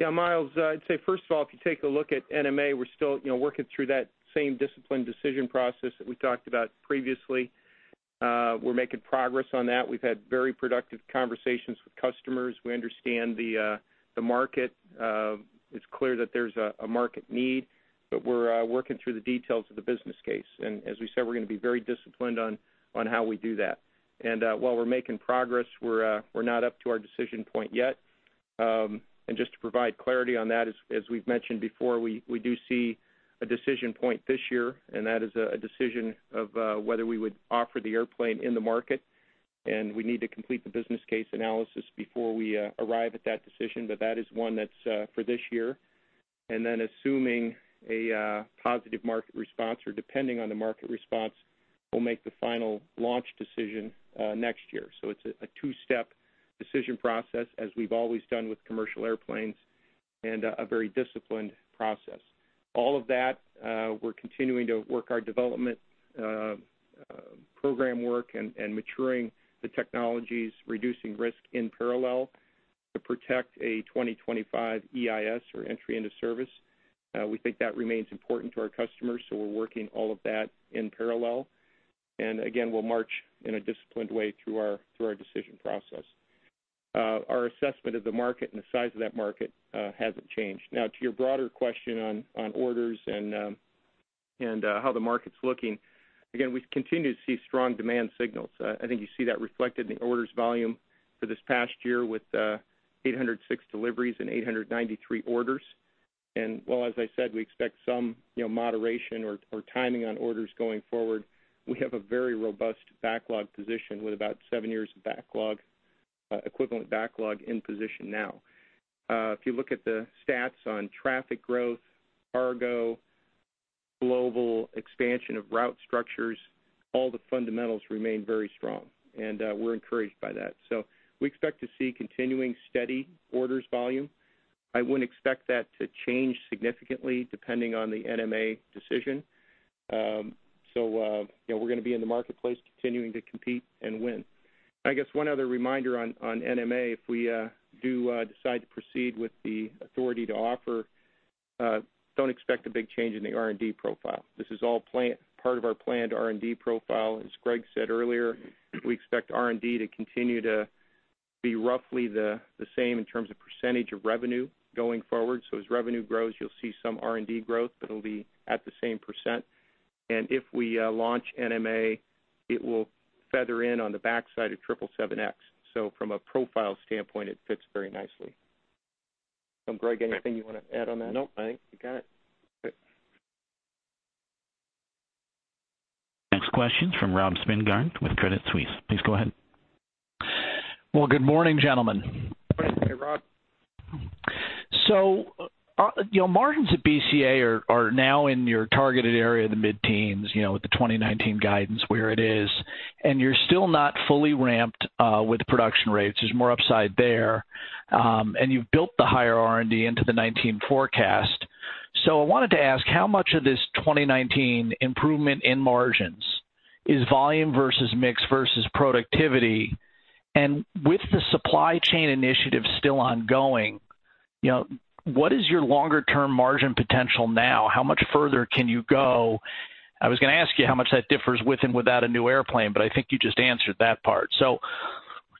Myles, I'd say, first of all, if you take a look at NMA, we're still working through that same disciplined decision process that we talked about previously. We're making progress on that. We've had very productive conversations with customers. We understand the market. It's clear that there's a market need, but we're working through the details of the business case. As we said, we're going to be very disciplined on how we do that. While we're making progress, we're not up to our decision point yet. Just to provide clarity on that, as we've mentioned before, we do see a decision point this year, and that is a decision of whether we would offer the airplane in the market. We need to complete the business case analysis before we arrive at that decision. That is one that's for this year. Assuming a positive market response or depending on the market response, we'll make the final launch decision next year. It's a two-step decision process, as we've always done with commercial airplanes, and a very disciplined process. All of that, we're continuing to work our development program work and maturing the technologies, reducing risk in parallel to protect a 2025 EIS or entry into service. We think that remains important to our customers, so we're working all of that in parallel. Again, we'll march in a disciplined way through our decision process. Our assessment of the market and the size of that market hasn't changed. To your broader question on orders and how the market's looking, again, we continue to see strong demand signals. I think you see that reflected in the orders volume for this past year with 806 deliveries and 893 orders. While, as I said, we expect some moderation or timing on orders going forward, we have a very robust backlog position with about seven years of equivalent backlog in position now. If you look at the stats on traffic growth, cargo, global expansion of route structures, all the fundamentals remain very strong, and we're encouraged by that. We expect to see continuing steady orders volume. I wouldn't expect that to change significantly depending on the NMA decision. We're going to be in the marketplace continuing to compete and win. I guess one other reminder on NMA, if we do decide to proceed with the authority to offer, don't expect a big change in the R&D profile. This is all part of our planned R&D profile. As Greg said earlier, we expect R&D to continue to be roughly the same in terms of % of revenue going forward. As revenue grows, you'll see some R&D growth, but it'll be at the same %. If we launch NMA, it will feather in on the backside of 777X. From a profile standpoint, it fits very nicely. Greg, anything you want to add on that? No, I think you got it. Okay. Next question's from Rob Spingarn with Credit Suisse. Please go ahead. Well, good morning, gentlemen. Morning, Rob. Margins at BCA are now in your targeted area in the mid-teens, with the 2019 guidance where it is, and you're still not fully ramped, with the production rates. There's more upside there. You've built the higher R&D into the 2019 forecast. I wanted to ask, how much of this 2019 improvement in margins is volume versus mix versus productivity? With the supply chain initiative still ongoing, what is your longer-term margin potential now? How much further can you go? I was going to ask you how much that differs with and without a new airplane, but I think you just answered that part.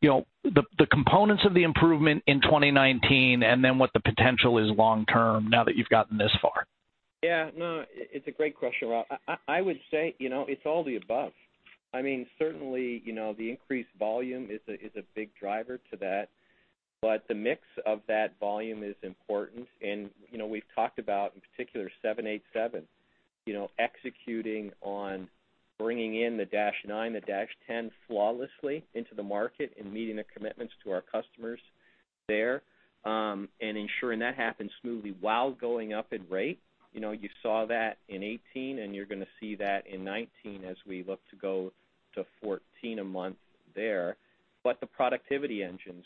The components of the improvement in 2019 and then what the potential is long term now that you've gotten this far. Yeah, no, it's a great question, Rob. I would say it's all the above. Certainly, the increased volume is a big driver to that, but the mix of that volume is important. We've talked about, in particular, 787, executing on bringing in the dash 9, the dash 10 flawlessly into the market and meeting the commitments to our customers there, and ensuring that happens smoothly while going up in rate. You saw that in 2018, and you're going to see that in 2019 as we look to go to 14 a month there. The productivity engine.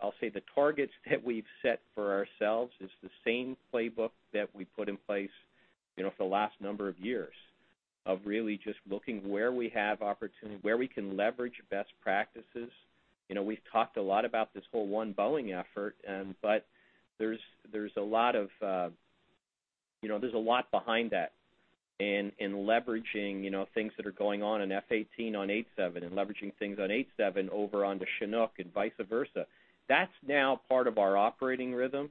I'll say the targets that we've set for ourselves is the same playbook that we put in place for the last number of years, of really just looking where we have opportunity, where we can leverage best practices. We've talked a lot about this whole One Boeing effort, there's a lot behind that in leveraging things that are going on in F-18 on 87 and leveraging things on 87 over onto Chinook and vice versa. That's now part of our operating rhythm,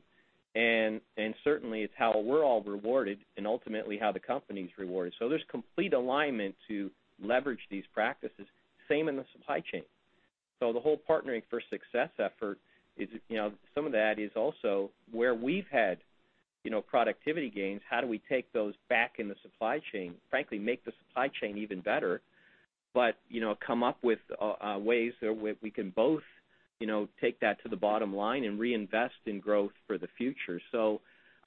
and certainly it's how we're all rewarded and ultimately how the company's rewarded. There's complete alignment to leverage these practices. Same in the supply chain. The whole Partnering for Success effort, some of that is also where we've had productivity gains, how do we take those back in the supply chain, frankly, make the supply chain even better, come up with ways where we can both take that to the bottom line and reinvest in growth for the future.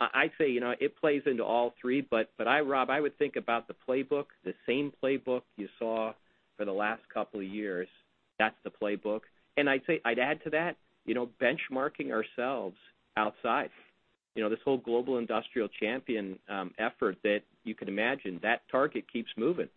I'd say it plays into all three, Rob, I would think about the playbook, the same playbook you saw for the last couple of years. That's the playbook. I'd add to that, benchmarking ourselves outside. This whole global industrial champion effort that you can imagine, that target keeps moving.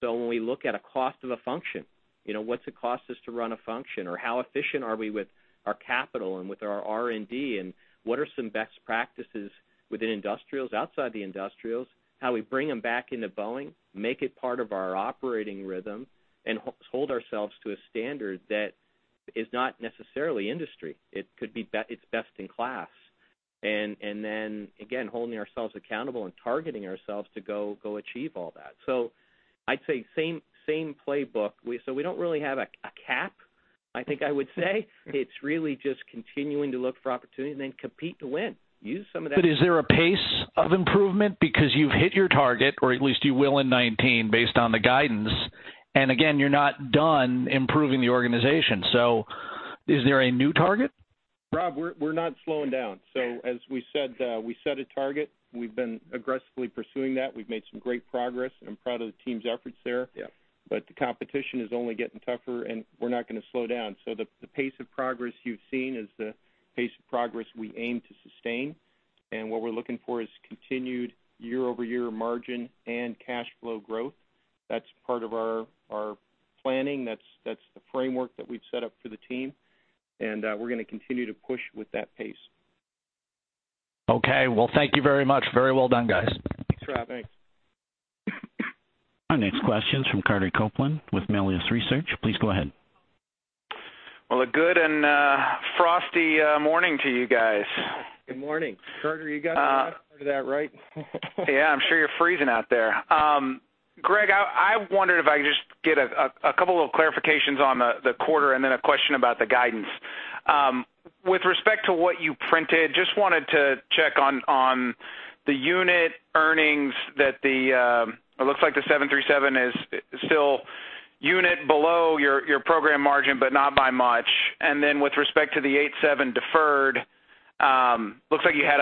When we look at a cost of a function, what's it cost us to run a function, or how efficient are we with our capital and with our R&D, and what are some best practices within industrials, outside the industrials, how we bring them back into Boeing, make it part of our operating rhythm, and hold ourselves to a standard that is not necessarily industry. It's best in class. Again, holding ourselves accountable and targeting ourselves to go achieve all that. I'd say same playbook. We don't really have a cap, I think I would say. It's really just continuing to look for opportunities and then compete to win, use some of that. Is there a pace of improvement because you've hit your target, or at least you will in 2019 based on the guidance, and again, you're not done improving the organization. Is there a new target? Rob, we're not slowing down. Yeah. As we said, we set a target. We've been aggressively pursuing that. We've made some great progress, and I'm proud of the team's efforts there. Yeah. The competition is only getting tougher, and we're not going to slow down. The pace of progress you've seen is the pace of progress we aim to sustain, and what we're looking for is continued year-over-year margin and cash flow growth. That's part of our planning. That's the framework that we've set up for the team, and we're going to continue to push with that pace. Thank you very much. Very well done, guys. Thanks for having us. Our next question's from Carter Copeland with Melius Research. Please go ahead. Well, a good and frosty morning to you guys. Good morning. Carter, you got the last part of that right. Yeah, I'm sure you're freezing out there. Greg, I wondered if I could just get a couple of clarifications on the quarter and then a question about the guidance. With respect to what you printed, just wanted to check on the unit earnings that the -- it looks like the 737 is still unit below your program margin, but not by much. With respect to the 87 deferred, looks like you had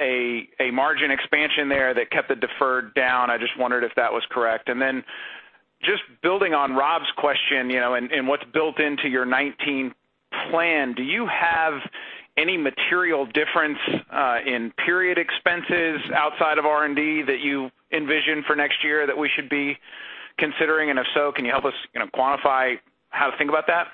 a margin expansion there that kept the deferred down. I just wondered if that was correct. Just building on Rob's question, what's built into your 2019 plan, do you have any material difference in period expenses outside of R&D that you envision for next year that we should be considering? If so, can you help us quantify how to think about that?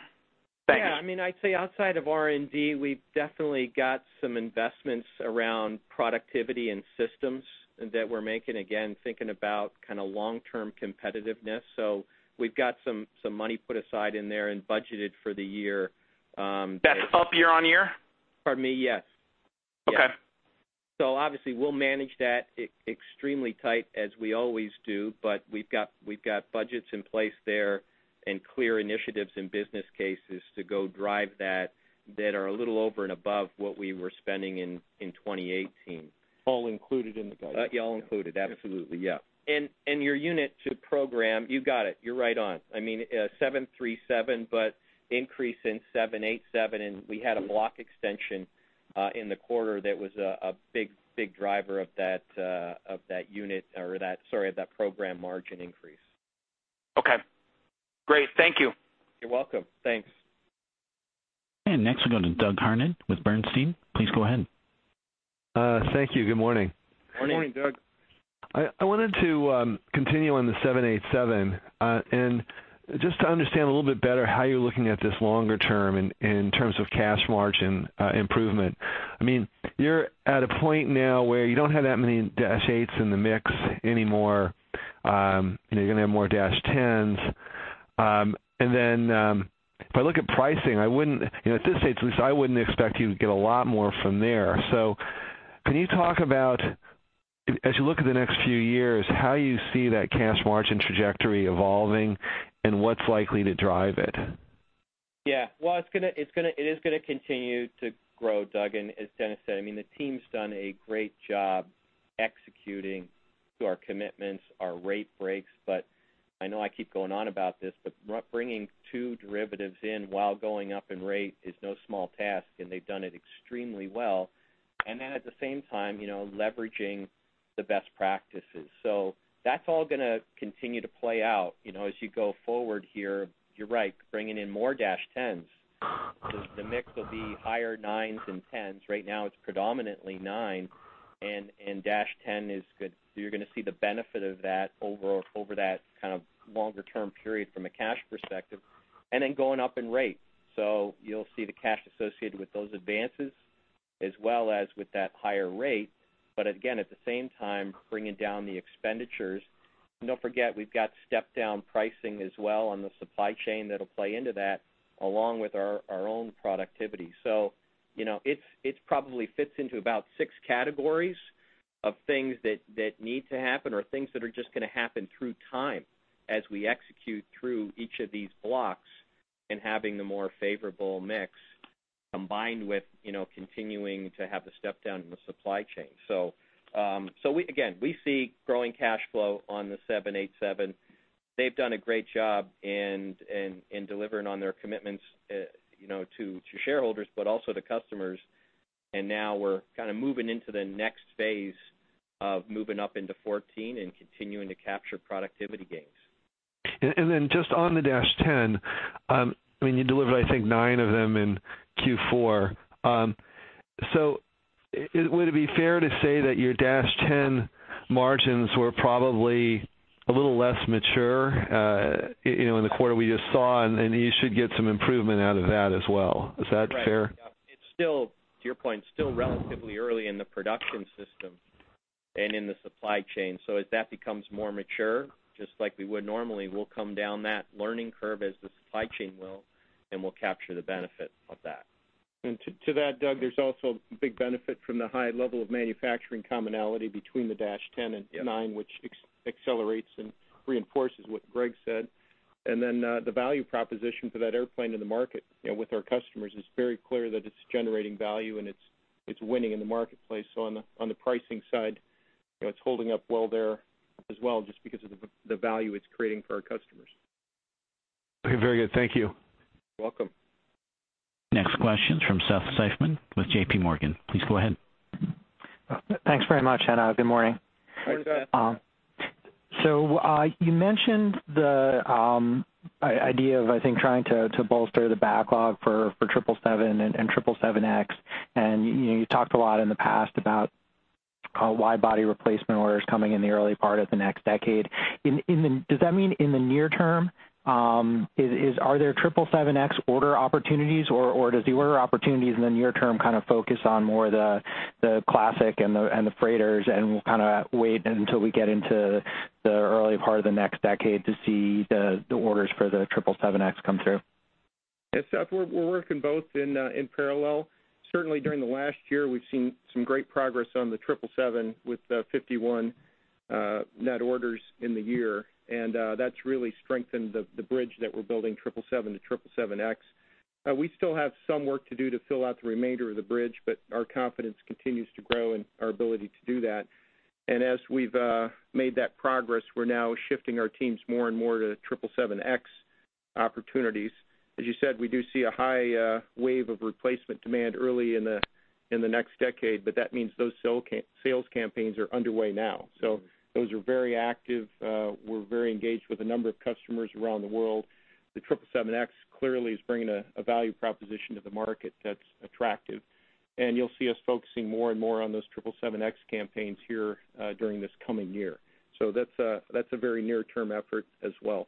Thanks. Yeah, I'd say outside of R&D, we've definitely got some investments around productivity and systems that we're making, again, thinking about kind of long-term competitiveness. We've got some money put aside in there and budgeted for the year. That's up year-over-year? Pardon me. Yes. Okay. Obviously we'll manage that extremely tight as we always do, but we've got budgets in place there and clear initiatives and business cases to go drive that are a little over and above what we were spending in 2018. All included in the budget. All included, absolutely. Yeah. Your unit to program, you got it. You're right on. 737, but increase in 787, and we had a block extension in the quarter that was a big driver of that unit or, sorry, of that program margin increase. Okay, great. Thank you. You're welcome. Thanks. Next we'll go to Doug Harned with Bernstein. Please go ahead. Thank you. Good morning. Morning. Good morning, Doug. Just to understand a little bit better how you're looking at this longer term in terms of cash margin improvement. You're at a point now where you don't have that many Dash-8s in the mix anymore. You're going to have more Dash-10s. Then, if I look at pricing, at this stage at least, I wouldn't expect you to get a lot more from there. Can you talk about, as you look at the next few years, how you see that cash margin trajectory evolving and what's likely to drive it? It is going to continue to grow, Doug, and as Dennis said, the team's done a great job executing to our commitments, our rate breaks. I know I keep going on about this, but bringing two derivatives in while going up in rate is no small task, and they've done it extremely well. Then at the same time, leveraging the best practices. That's all going to continue to play out as you go forward here. You're right, bringing in more Dash-10s. The mix will be higher 9s and 10s. Right now, it's predominantly 9, and Dash-10 is good. You're going to see the benefit of that over that kind of longer-term period from a cash perspective. Then going up in rate. You'll see the cash associated with those advances as well as with that higher rate. Again, at the same time, bringing down the expenditures. Don't forget, we've got step-down pricing as well on the supply chain that'll play into that, along with our own productivity. It probably fits into about six categories of things that need to happen or things that are just going to happen through time as we execute through each of these blocks and having the more favorable mix combined with continuing to have the step down in the supply chain. Again, we see growing cash flow on the 787. They've done a great job in delivering on their commitments to shareholders, but also to customers. Now we're kind of moving into the next phase of moving up into 14 and continuing to capture productivity gains. Just on the Dash-10, you delivered, I think, nine of them in Q4. Would it be fair to say that your Dash-10 margins were probably a little less mature in the quarter we just saw, and you should get some improvement out of that as well. Is that fair? Right. Yeah. It's still, to your point, still relatively early in the production system and in the supply chain. As that becomes more mature, just like we would normally, we'll come down that learning curve as the supply chain will, and we'll capture the benefit of that. To that, Doug, there's also a big benefit from the high level of manufacturing commonality between the -10 and nine, which accelerates and reinforces what Greg said. The value proposition for that airplane in the market with our customers is very clear that it's generating value and it's winning in the marketplace. On the pricing side, it's holding up well there as well, just because of the value it's creating for our customers. Okay. Very good. Thank you. You're welcome. Next question's from Seth Seifman with J.P. Morgan. Please go ahead. Thanks very much, good morning. Morning, Seth. You mentioned the idea of, I think, trying to bolster the backlog for 777 and 777X, and you talked a lot in the past about wide body replacement orders coming in the early part of the next decade. Does that mean in the near term, are there 777X order opportunities, or does the order opportunities in the near term kind of focus on more the classic and the freighters, and we'll kind of wait until we get into the early part of the next decade to see the orders for the 777X come through? Yeah, Seth, we're working both in parallel. Certainly, during the last year, we've seen some great progress on the 777 with 51 net orders in the year, and that's really strengthened the bridge that we're building 777 to 777X. We still have some work to do to fill out the remainder of the bridge, but our confidence continues to grow in our ability to do that. As we've made that progress, we're now shifting our teams more and more to 777X opportunities. As you said, we do see a high wave of replacement demand early in the next decade, but that means those sales campaigns are underway now. Those are very active. We're very engaged with a number of customers around the world. The 777X clearly is bringing a value proposition to the market that's attractive, and you'll see us focusing more and more on those 777X campaigns here during this coming year. That's a very near-term effort as well.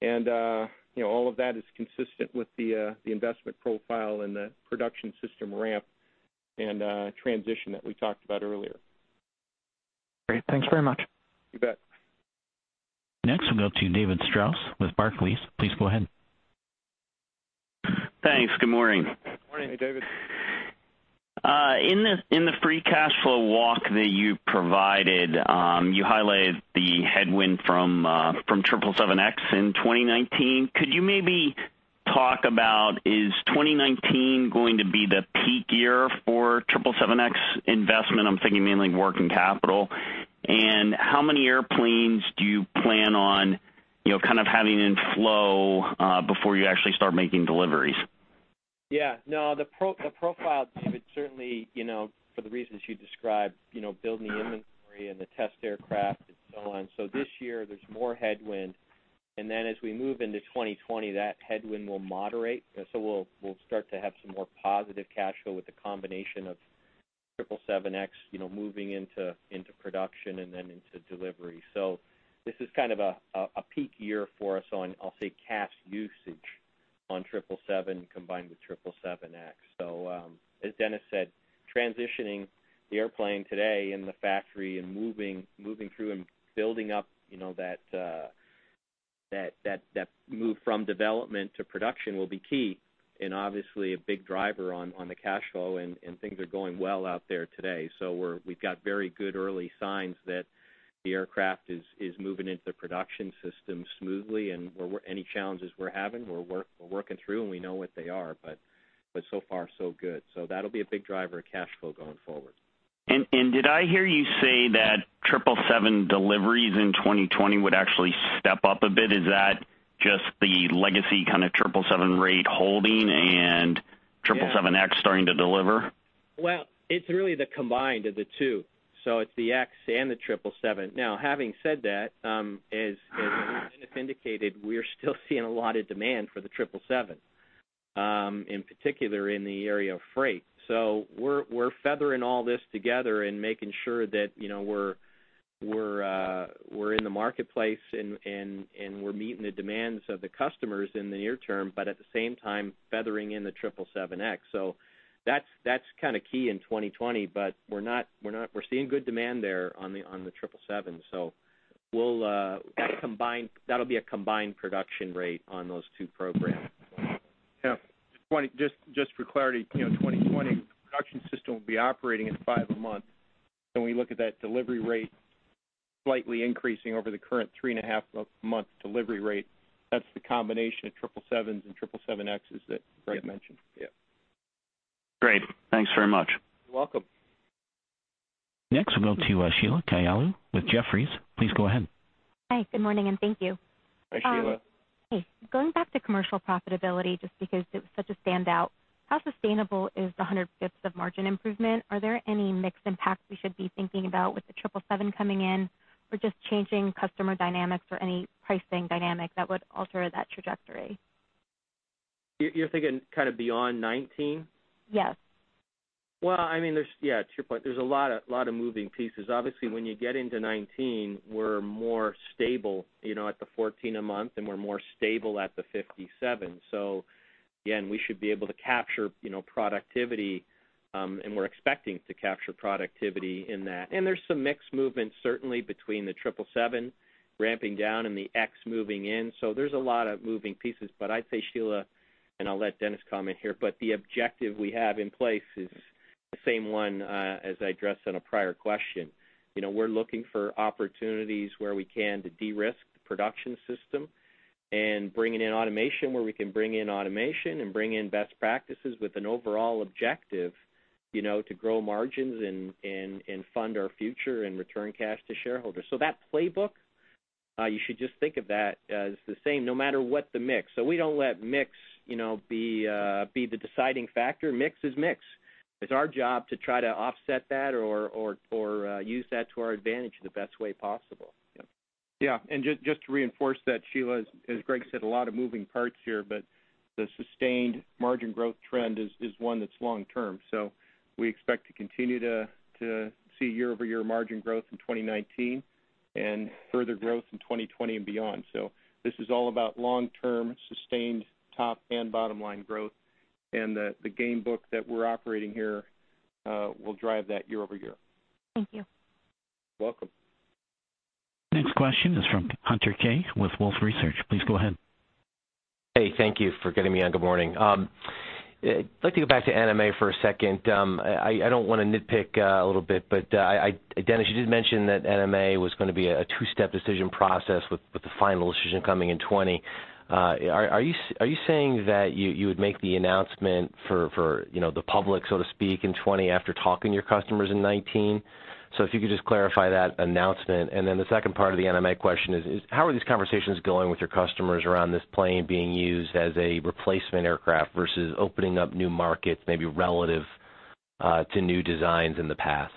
All of that is consistent with the investment profile and the production system ramp and transition that we talked about earlier. Great. Thanks very much. You bet. Next, we'll go to David Strauss with Barclays. Please go ahead. Thanks. Good morning. Morning. Hey, David. In the free cash flow walk that you provided, you highlighted the headwind from 777X in 2019. Could you maybe talk about is 2019 going to be the peak year for 777X investment? I'm thinking mainly working capital. How many airplanes do you plan on having in flow before you actually start making deliveries? Yeah. No, the profile, David, certainly, for the reasons you described, building the inventory and the test aircraft and so on. This year, there's more headwind, and then as we move into 2020, that headwind will moderate. We'll start to have some more positive cash flow with the combination of 777X moving into production and then into delivery. This is kind of a peak year for us on, I'll say, cash usage on 777 combined with 777X. As Dennis said, transitioning the airplane today in the factory and moving through and building up that move from development to production will be key and obviously a big driver on the cash flow and things are going well out there today. We've got very good early signs that the aircraft is moving into the production system smoothly, and any challenges we're having, we're working through, and we know what they are, but so far, so good. That'll be a big driver of cash flow going forward. Did I hear you say that 777 deliveries in 2020 would actually step up a bit? Is that just the legacy kind of 777 rate holding and 777X starting to deliver? Well, it's really the combined of the two. It's the X and the 777. Now, having said that, as Dennis indicated, we're still seeing a lot of demand for the 777, in particular in the area of freight. We're feathering all this together and making sure that we're in the marketplace, and we're meeting the demands of the customers in the near term, but at the same time, feathering in the 777X. That's kind of key in 2020, but we're seeing good demand there on the 777. That'll be a combined production rate on those two programs. Yeah. Just for clarity, 2020 production system will be operating at five a month. When we look at that delivery rate slightly increasing over the current three and a half month delivery rate, that's the combination of 777s and 777Xs that Greg mentioned. Yeah. Great. Thanks very much. You're welcome. Next, we'll go to Sheila Kahyaoglu with Jefferies. Please go ahead. Hi, good morning, and thank you. Hi, Sheila. Hey. Going back to commercial profitability, just because it was such a standout, how sustainable is the 100 basis points of margin improvement? Are there any mix impacts we should be thinking about with the 777 coming in, or just changing customer dynamics or any pricing dynamic that would alter that trajectory? You're thinking kind of beyond 2019? Yes. Well, to your point, there's a lot of moving pieces. Obviously, when you get into 2019, we're more stable at the 14 a month, and we're more stable at the 57. Again, we should be able to capture productivity, and we're expecting to capture productivity in that. There's some mix movement certainly between the 777 ramping down and the X moving in. There's a lot of moving pieces, but I'd say, Sheila, and I'll let Dennis comment here, but the objective we have in place is the same one as I addressed on a prior question. We're looking for opportunities where we can, to de-risk the production system and bringing in automation where we can bring in automation and bring in best practices with an overall objective to grow margins and fund our future and return cash to shareholders. That playbook, you should just think of that as the same no matter what the mix. We don't let mix be the deciding factor. Mix is mix. It's our job to try to offset that or use that to our advantage the best way possible. Yeah. Just to reinforce that, Sheila, as Greg said, a lot of moving parts here, the sustained margin growth trend is one that's long-term. We expect to continue to see year-over-year margin growth in 2019 and further growth in 2020 and beyond. This is all about long-term, sustained top and bottom-line growth. The game book that we're operating here will drive that year-over-year. Thank you. You're welcome. Next question is from Hunter Keay with Wolfe Research. Please go ahead. Thank you for getting me on. Good morning. I'd like to go back to NMA for a second. I don't want to nitpick a little bit. Dennis, you did mention that NMA was going to be a two-step decision process with the final decision coming in 2020. Are you saying that you would make the announcement for the public, so to speak, in 2020 after talking to your customers in 2019? If you could just clarify that announcement. The second part of the NMA question is, how are these conversations going with your customers around this plane being used as a replacement aircraft versus opening up new markets, maybe relative to new designs in the past?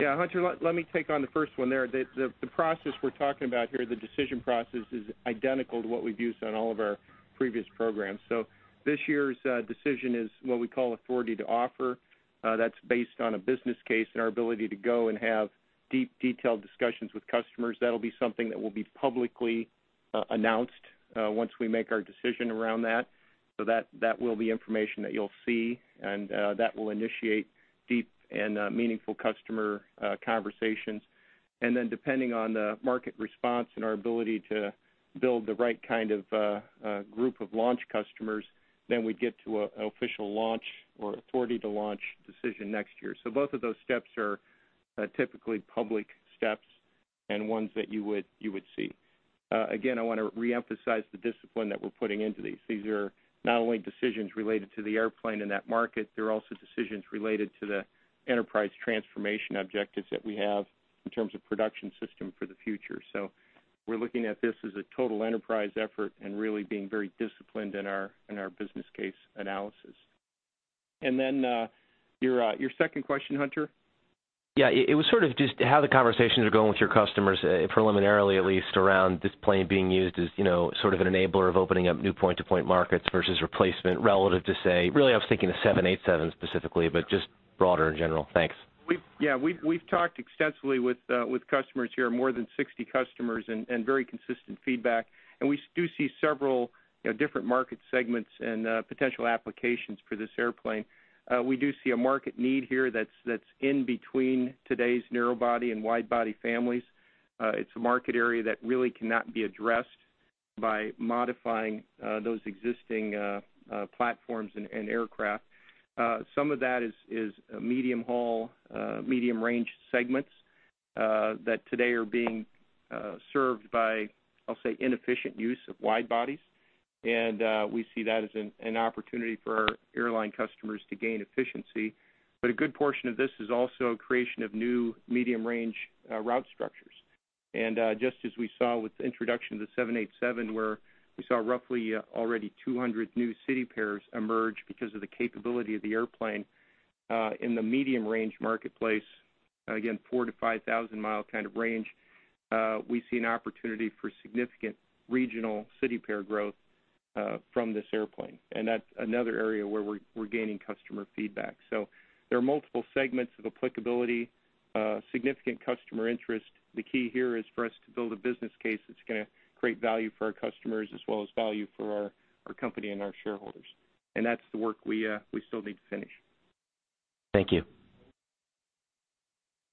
Thanks. Yeah. Hunter, let me take on the first one there. The process we're talking about here, the decision process, is identical to what we've used on all of our previous programs. This year's decision is what we call authority to offer. That's based on a business case and our ability to go and have deep detailed discussions with customers. That'll be something that will be publicly announced once we make our decision around that. That will be information that you'll see, and that will initiate deep and meaningful customer conversations. Depending on the market response and our ability to build the right kind of group of launch customers, then we'd get to an official launch or authority to launch decision next year. Both of those steps are typically public steps and ones that you would see. Again, I want to reemphasize the discipline that we're putting into these. These are not only decisions related to the airplane and that market, they're also decisions related to the enterprise transformation objectives that we have in terms of production system for the future. We're looking at this as a total enterprise effort and really being very disciplined in our business case analysis. Your second question, Hunter? Yeah. It was sort of just how the conversations are going with your customers, preliminarily at least, around this plane being used as sort of an enabler of opening up new point-to-point markets versus replacement relative to, say, really I was thinking the 787 specifically, but just broader in general. Thanks. Yeah. We've talked extensively with customers here, more than 60 customers, very consistent feedback. We do see several different market segments and potential applications for this airplane. We do see a market need here that's in between today's narrow body and wide body families. It's a market area that really cannot be addressed by modifying those existing platforms and aircraft. Some of that is medium haul, medium range segments, that today are being served by, I'll say, inefficient use of wide bodies. We see that as an opportunity for our airline customers to gain efficiency. A good portion of this is also creation of new medium-range route structures. Just as we saw with the introduction of the 787, where we saw roughly already 200 new city pairs emerge because of the capability of the airplane, in the medium range marketplace, again, 4,000 to 5,000 mile kind of range, we see an opportunity for significant regional city pair growth from this airplane. That's another area where we're gaining customer feedback. There are multiple segments of applicability, significant customer interest. The key here is for us to build a business case that's going to create value for our customers as well as value for our company and our shareholders. That's the work we still need to finish. Thank you.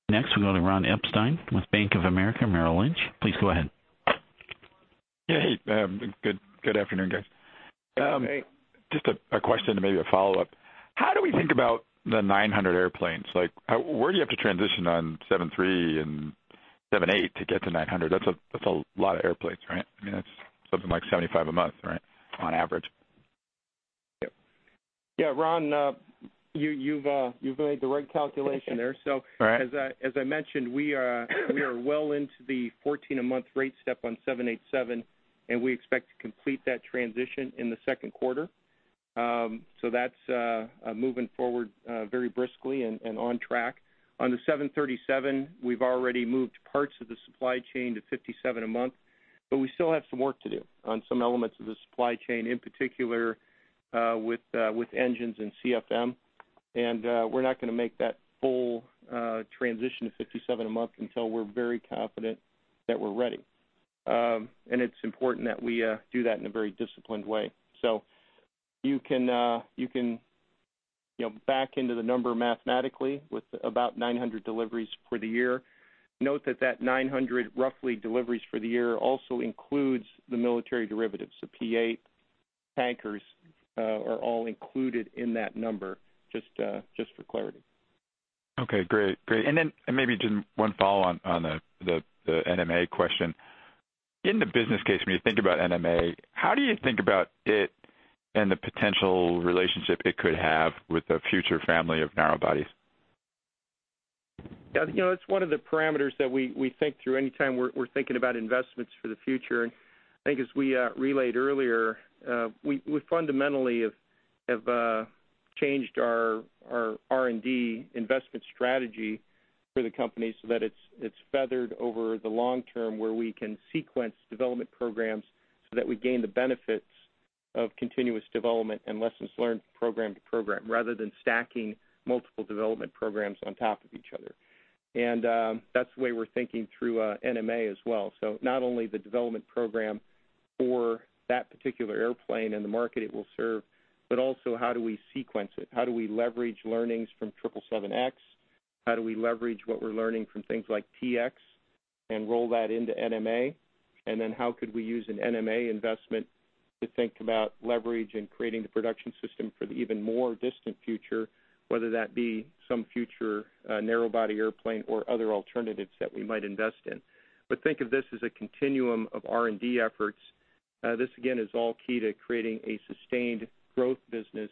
Next, we'll go to Ron Epstein with Bank of America Merrill Lynch. Please go ahead. Hey. Good afternoon, guys. Hey. Just a question and maybe a follow-up. How do we think about the 900 airplanes? Where do you have to transition on 73 and 78 to get to 900? That's a lot of airplanes, right? That's something like 75 a month on average. Yeah. Ron, you've made the right calculation there. Right. As I mentioned, we are well into the 14 a month rate step on 787, and we expect to complete that transition in the second quarter. That's moving forward very briskly and on track. On the 737, we've already moved parts of the supply chain to 57 a month, but we still have some work to do on some elements of the supply chain, in particular, with engines and CFM. We're not going to make that full transition to 57 a month until we're very confident that we're ready. It's important that we do that in a very disciplined way. You can back into the number mathematically with about 900 deliveries for the year. Note that that 900, roughly, deliveries for the year also includes the military derivatives. P-8 tankers are all included in that number, just for clarity. Okay, great. Maybe just one follow on the NMA question. In the business case, when you think about NMA, how do you think about it and the potential relationship it could have with the future family of narrow bodies? Yeah. It's one of the parameters that we think through anytime we're thinking about investments for the future. I think as we relayed earlier, we fundamentally have changed our R&D investment strategy for the company so that it's feathered over the long term where we can sequence development programs so that we gain the benefits of continuous development and lessons learned program to program, rather than stacking multiple development programs on top of each other. That's the way we're thinking through NMA as well. Not only the development program for that particular airplane and the market it will serve, but also how do we sequence it? How do we leverage learnings from 777X? How do we leverage what we're learning from things like T-X and roll that into NMA? How could we use an NMA investment to think about leverage and creating the production system for the even more distant future, whether that be some future narrow body airplane or other alternatives that we might invest in. Think of this as a continuum of R&D efforts. This, again, is all key to creating a sustained growth business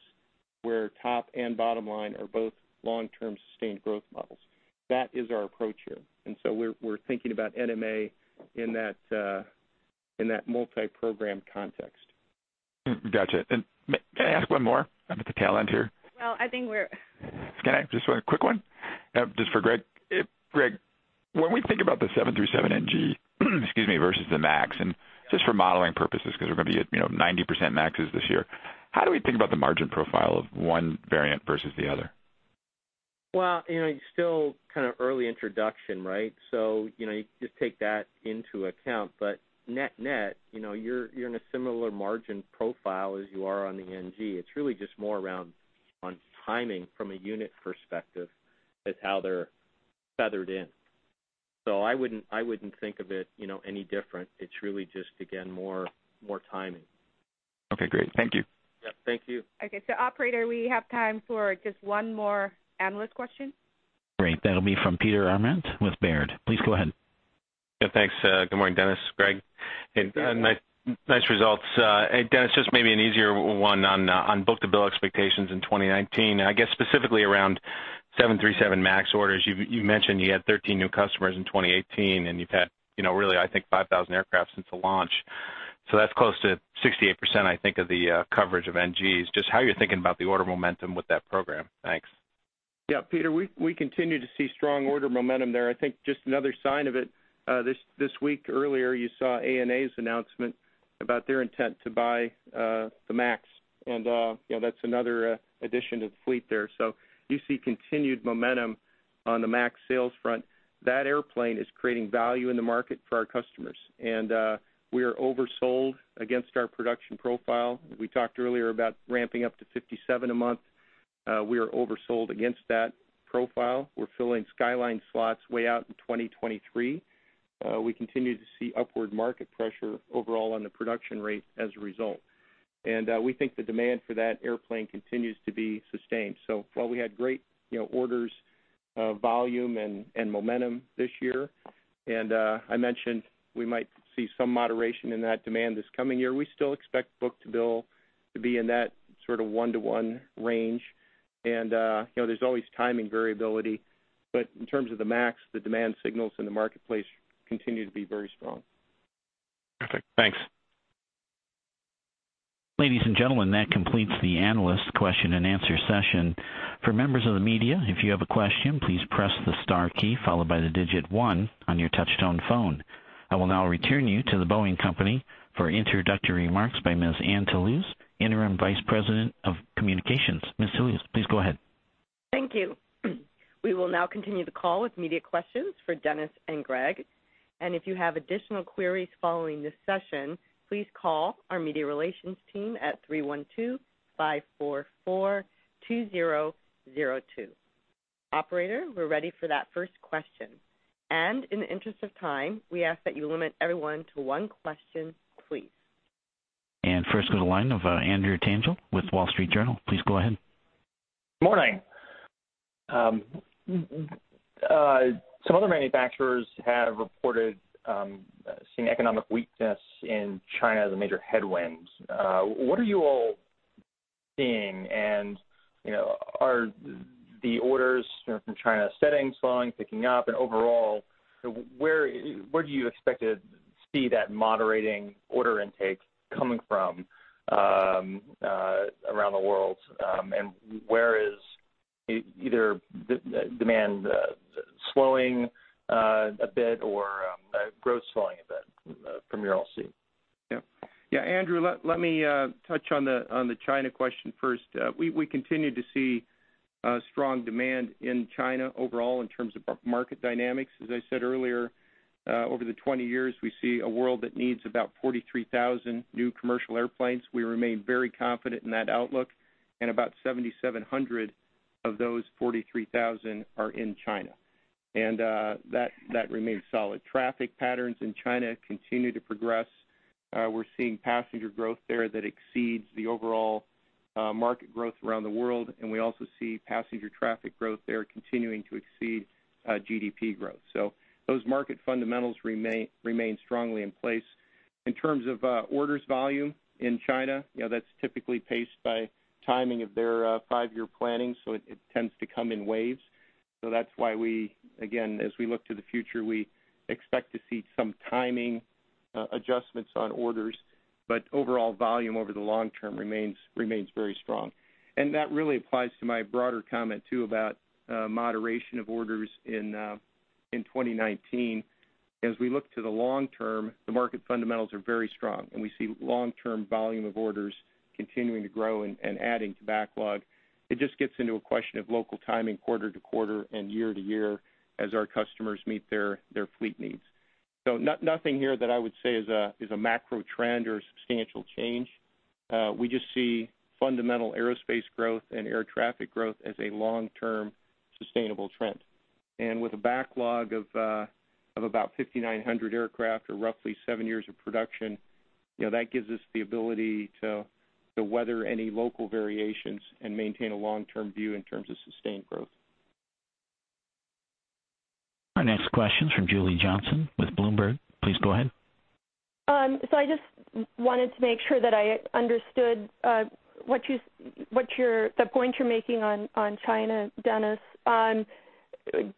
where top and bottom line are both long-term sustained growth models. That is our approach here, we're thinking about NMA in that multi-program context. Gotcha. May I ask one more at the tail end here? Well, I think we're- Can I just, quick one? Just for Greg. Greg, when we think about the 737 NG versus the MAX, and just for modeling purposes, because we're going to be at 90% MAXes this year, how do we think about the margin profile of one variant versus the other? Well, it's still kind of early introduction, right? You just take that into account. Net, you're in a similar margin profile as you are on the NG. It's really just more around on timing from a unit perspective as how they're feathered in. I wouldn't think of it any different. It's really just, again, more timing. Okay, great. Thank you. Yeah, thank you. Okay, operator, we have time for just one more analyst question. Great. That'll be from Peter Arment with Baird. Please go ahead. Yeah, thanks. Good morning, Dennis, Greg, nice results. Dennis, just maybe an easier one on book to bill expectations in 2019, I guess specifically around 737 MAX orders. You mentioned you had 13 new customers in 2018, you've had, really, I think 5,000 aircraft since the launch. That's close to 68%, I think, of the coverage of NGs. Just how you're thinking about the order momentum with that program. Thanks. Peter, we continue to see strong order momentum there. I think just another sign of it, this week earlier, you saw ANA's announcement about their intent to buy the MAX, and that's another addition to the fleet there. You see continued momentum on the MAX sales front. That airplane is creating value in the market for our customers. We are oversold against our production profile. We talked earlier about ramping up to 57 a month. We are oversold against that profile. We're filling skyline slots way out in 2023. We continue to see upward market pressure overall on the production rate as a result. We think the demand for that airplane continues to be sustained. While we had great orders, volume, and momentum this year, and I mentioned we might see some moderation in that demand this coming year, we still expect book to bill to be in that sort of one-to-one range. There's always timing variability, but in terms of the MAX, the demand signals in the marketplace continue to be very strong. Perfect. Thanks. Ladies and gentlemen, that completes the analyst question and answer session. For members of the media, if you have a question, please press the star key followed by the digit 1 on your touch-tone phone. I will now return you to The Boeing Company for introductory remarks by Ms. Anne Toulouse, Interim Vice President of Communications. Ms. Toulouse, please go ahead. Thank you. We will now continue the call with media questions for Dennis and Greg. If you have additional queries following this session, please call our media relations team at 312-544-2002. Operator, we're ready for that first question. In the interest of time, we ask that you limit everyone to one question please. First to the line of Andrew Tangel with Wall Street Journal. Please go ahead. Morning. Some other manufacturers have reported seeing economic weakness in China as a major headwind. What are you all seeing, and are the orders from China steady, slowing, picking up, and overall, where do you expect to see that moderating order intake coming from around the world? Where is either demand slowing a bit or growth slowing a bit? From your LC. Yeah. Andrew, let me touch on the China question first. We continue to see strong demand in China overall in terms of market dynamics. As I said earlier, over the 20 years, we see a world that needs about 43,000 new commercial airplanes. We remain very confident in that outlook, and about 7,700 of those 43,000 are in China. That remains solid. Traffic patterns in China continue to progress. We're seeing passenger growth there that exceeds the overall market growth around the world, and we also see passenger traffic growth there continuing to exceed GDP growth. Those market fundamentals remain strongly in place. In terms of orders volume in China, that's typically paced by timing of their five-year planning, so it tends to come in waves. That's why we, again, as we look to the future, we expect to see some timing adjustments on orders, but overall volume over the long term remains very strong. That really applies to my broader comment, too, about moderation of orders in 2019. As we look to the long term, the market fundamentals are very strong, and we see long-term volume of orders continuing to grow and adding to backlog. It just gets into a question of local timing quarter-to-quarter and year-to-year as our customers meet their fleet needs. Nothing here that I would say is a macro trend or a substantial change. We just see fundamental aerospace growth and air traffic growth as a long-term, sustainable trend. With a backlog of about 5,900 aircraft or roughly seven years of production, that gives us the ability to weather any local variations and maintain a long-term view in terms of sustained growth. Our next question's from Julie Johnsson with Bloomberg. Please go ahead. I just wanted to make sure that I understood the point you're making on China, Dennis.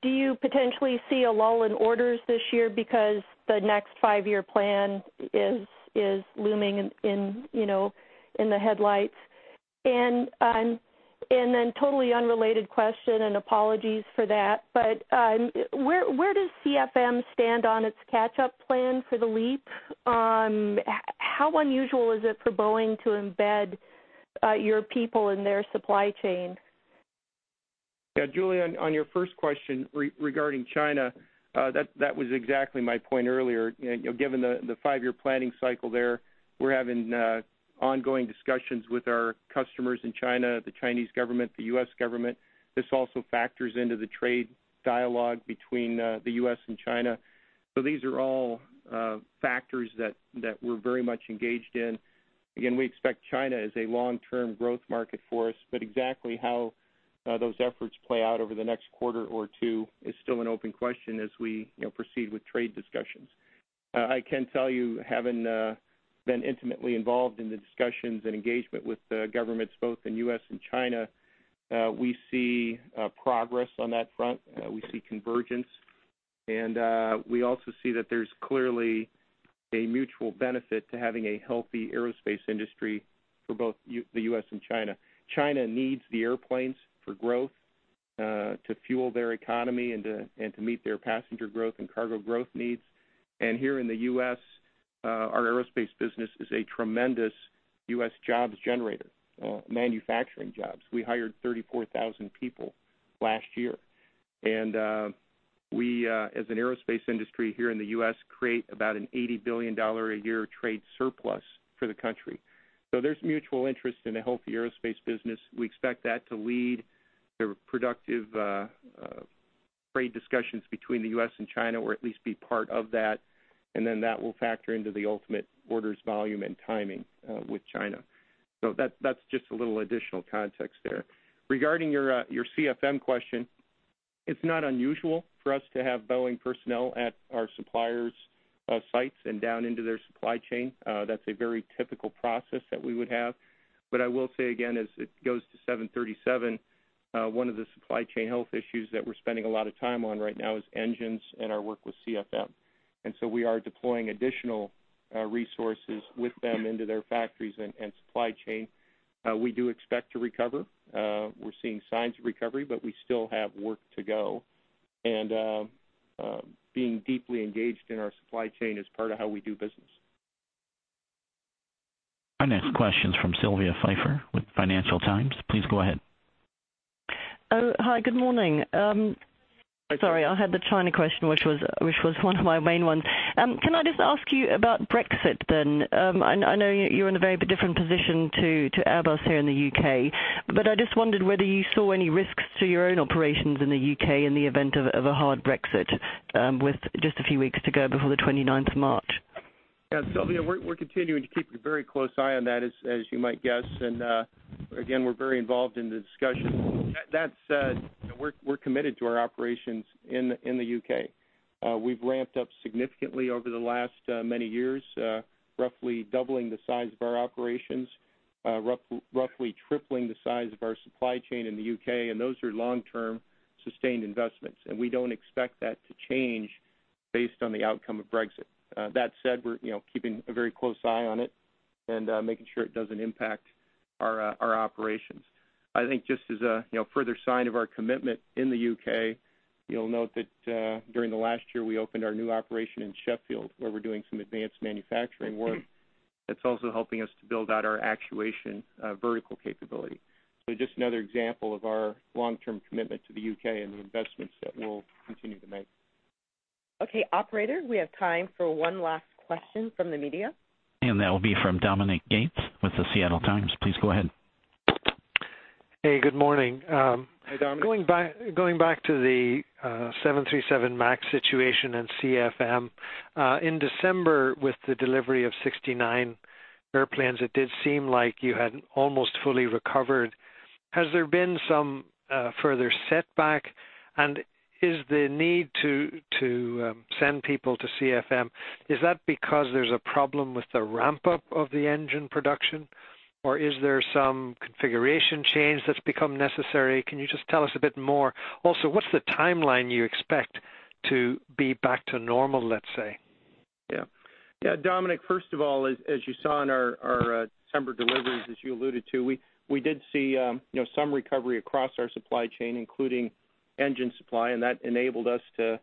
Do you potentially see a lull in orders this year because the next five-year plan is looming in the headlights? Totally unrelated question, and apologies for that, but where does CFM stand on its catch-up plan for the LEAP? How unusual is it for Boeing to embed your people in their supply chain? Yeah, Julie, on your first question regarding China, that was exactly my point earlier. Given the five-year planning cycle there, we're having ongoing discussions with our customers in China, the Chinese government, the U.S. government. This also factors into the trade dialogue between the U.S. and China. These are all factors that we're very much engaged in. Again, we expect China as a long-term growth market for us, but exactly how those efforts play out over the next quarter or two is still an open question as we proceed with trade discussions. I can tell you, having been intimately involved in the discussions and engagement with the governments both in U.S. and China, we see progress on that front. We see convergence, and we also see that there's clearly a mutual benefit to having a healthy aerospace industry for both the U.S. and China. China needs the airplanes for growth, to fuel their economy, and to meet their passenger growth and cargo growth needs. Here in the U.S., our aerospace business is a tremendous U.S. jobs generator, manufacturing jobs. We hired 34,000 people last year. We, as an aerospace industry here in the U.S., create about an $80 billion a year trade surplus for the country. There's mutual interest in a healthy aerospace business. We expect that to lead the productive trade discussions between the U.S. and China, or at least be part of that, and then that will factor into the ultimate orders volume and timing with China. That's just a little additional context there. Regarding your CFM question, it's not unusual for us to have Boeing personnel at our suppliers' sites and down into their supply chain. That's a very typical process that we would have. I will say, again, as it goes to 737, one of the supply chain health issues that we're spending a lot of time on right now is engines and our work with CFM. We are deploying additional resources with them into their factories and supply chain. We do expect to recover. We're seeing signs of recovery, but we still have work to go. Being deeply engaged in our supply chain is part of how we do business. Our next question's from Sylvia Pfeifer with Financial Times. Please go ahead. Hi, good morning. Sorry, I had the China question, which was one of my main ones. Can I just ask you about Brexit, then? I know you're in a very different position to Airbus here in the U.K., but I just wondered whether you saw any risks to your own operations in the U.K. in the event of a hard Brexit, with just a few weeks to go before the 29th of March. Yeah, Sylvia, we're continuing to keep a very close eye on that, as you might guess. Again, we're very involved in the discussion. We're committed to our operations in the U.K. We've ramped up significantly over the last many years, roughly doubling the size of our operations, roughly tripling the size of our supply chain in the U.K., and those are long-term, sustained investments. We don't expect that to change based on the outcome of Brexit. That said, we're keeping a very close eye on it. Making sure it doesn't impact our operations. I think just as a further sign of our commitment in the U.K., you'll note that during the last year, we opened our new operation in Sheffield, where we're doing some advanced manufacturing work that's also helping us to build out our actuation vertical capability. Just another example of our long-term commitment to the U.K. and the investments that we'll continue to make. Okay. Operator, we have time for one last question from the media. That will be from Dominic Gates with The Seattle Times. Please go ahead. Hey, good morning. Hi, Dominic. Going back to the 737 MAX situation and CFM. In December, with the delivery of 69 airplanes, it did seem like you had almost fully recovered. Has there been some further setback, and is the need to send people to CFM, is that because there's a problem with the ramp-up of the engine production, or is there some configuration change that's become necessary? Can you just tell us a bit more? Also, what's the timeline you expect to be back to normal, let's say? Yeah. Dominic, first of all, as you saw in our December deliveries, as you alluded to, we did see some recovery across our supply chain, including engine supply, and that enabled us to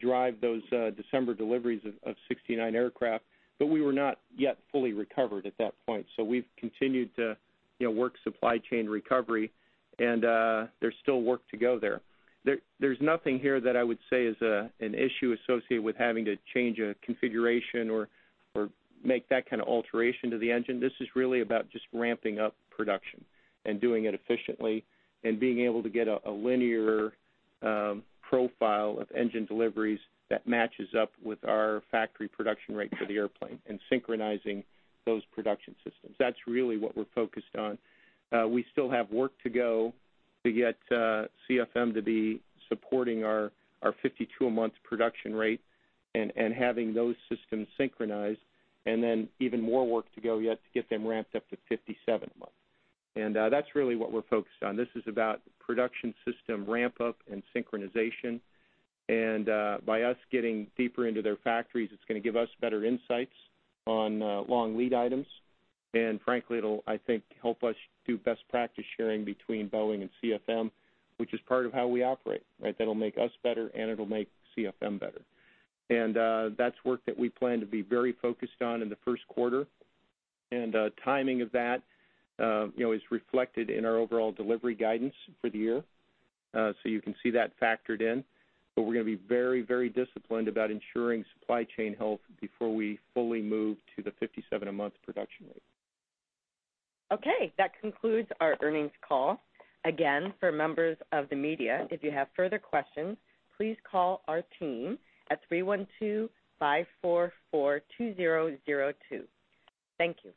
drive those December deliveries of 69 aircraft. We were not yet fully recovered at that point. We've continued to work supply chain recovery, and there's still work to go there. There's nothing here that I would say is an issue associated with having to change a configuration or make that kind of alteration to the engine. This is really about just ramping up production and doing it efficiently and being able to get a linear profile of engine deliveries that matches up with our factory production rate for the airplane and synchronizing those production systems. That's really what we're focused on. We still have work to go to get CFM to be supporting our 52-a-month production rate and having those systems synchronized, then even more work to go yet to get them ramped up to 57 a month. That's really what we're focused on. This is about production system ramp-up and synchronization. By us getting deeper into their factories, it's going to give us better insights on long lead items. And frankly, it'll, I think, help us do best practice sharing between Boeing and CFM, which is part of how we operate, right? That'll make us better, and it'll make CFM better. That's work that we plan to be very focused on in the first quarter. Timing of that is reflected in our overall delivery guidance for the year. You can see that factored in. We're going to be very disciplined about ensuring supply chain health before we fully move to the 57-a-month production rate. Okay. That concludes our earnings call. Again, for members of the media, if you have further questions, please call our team at 312-544-2002. Thank you.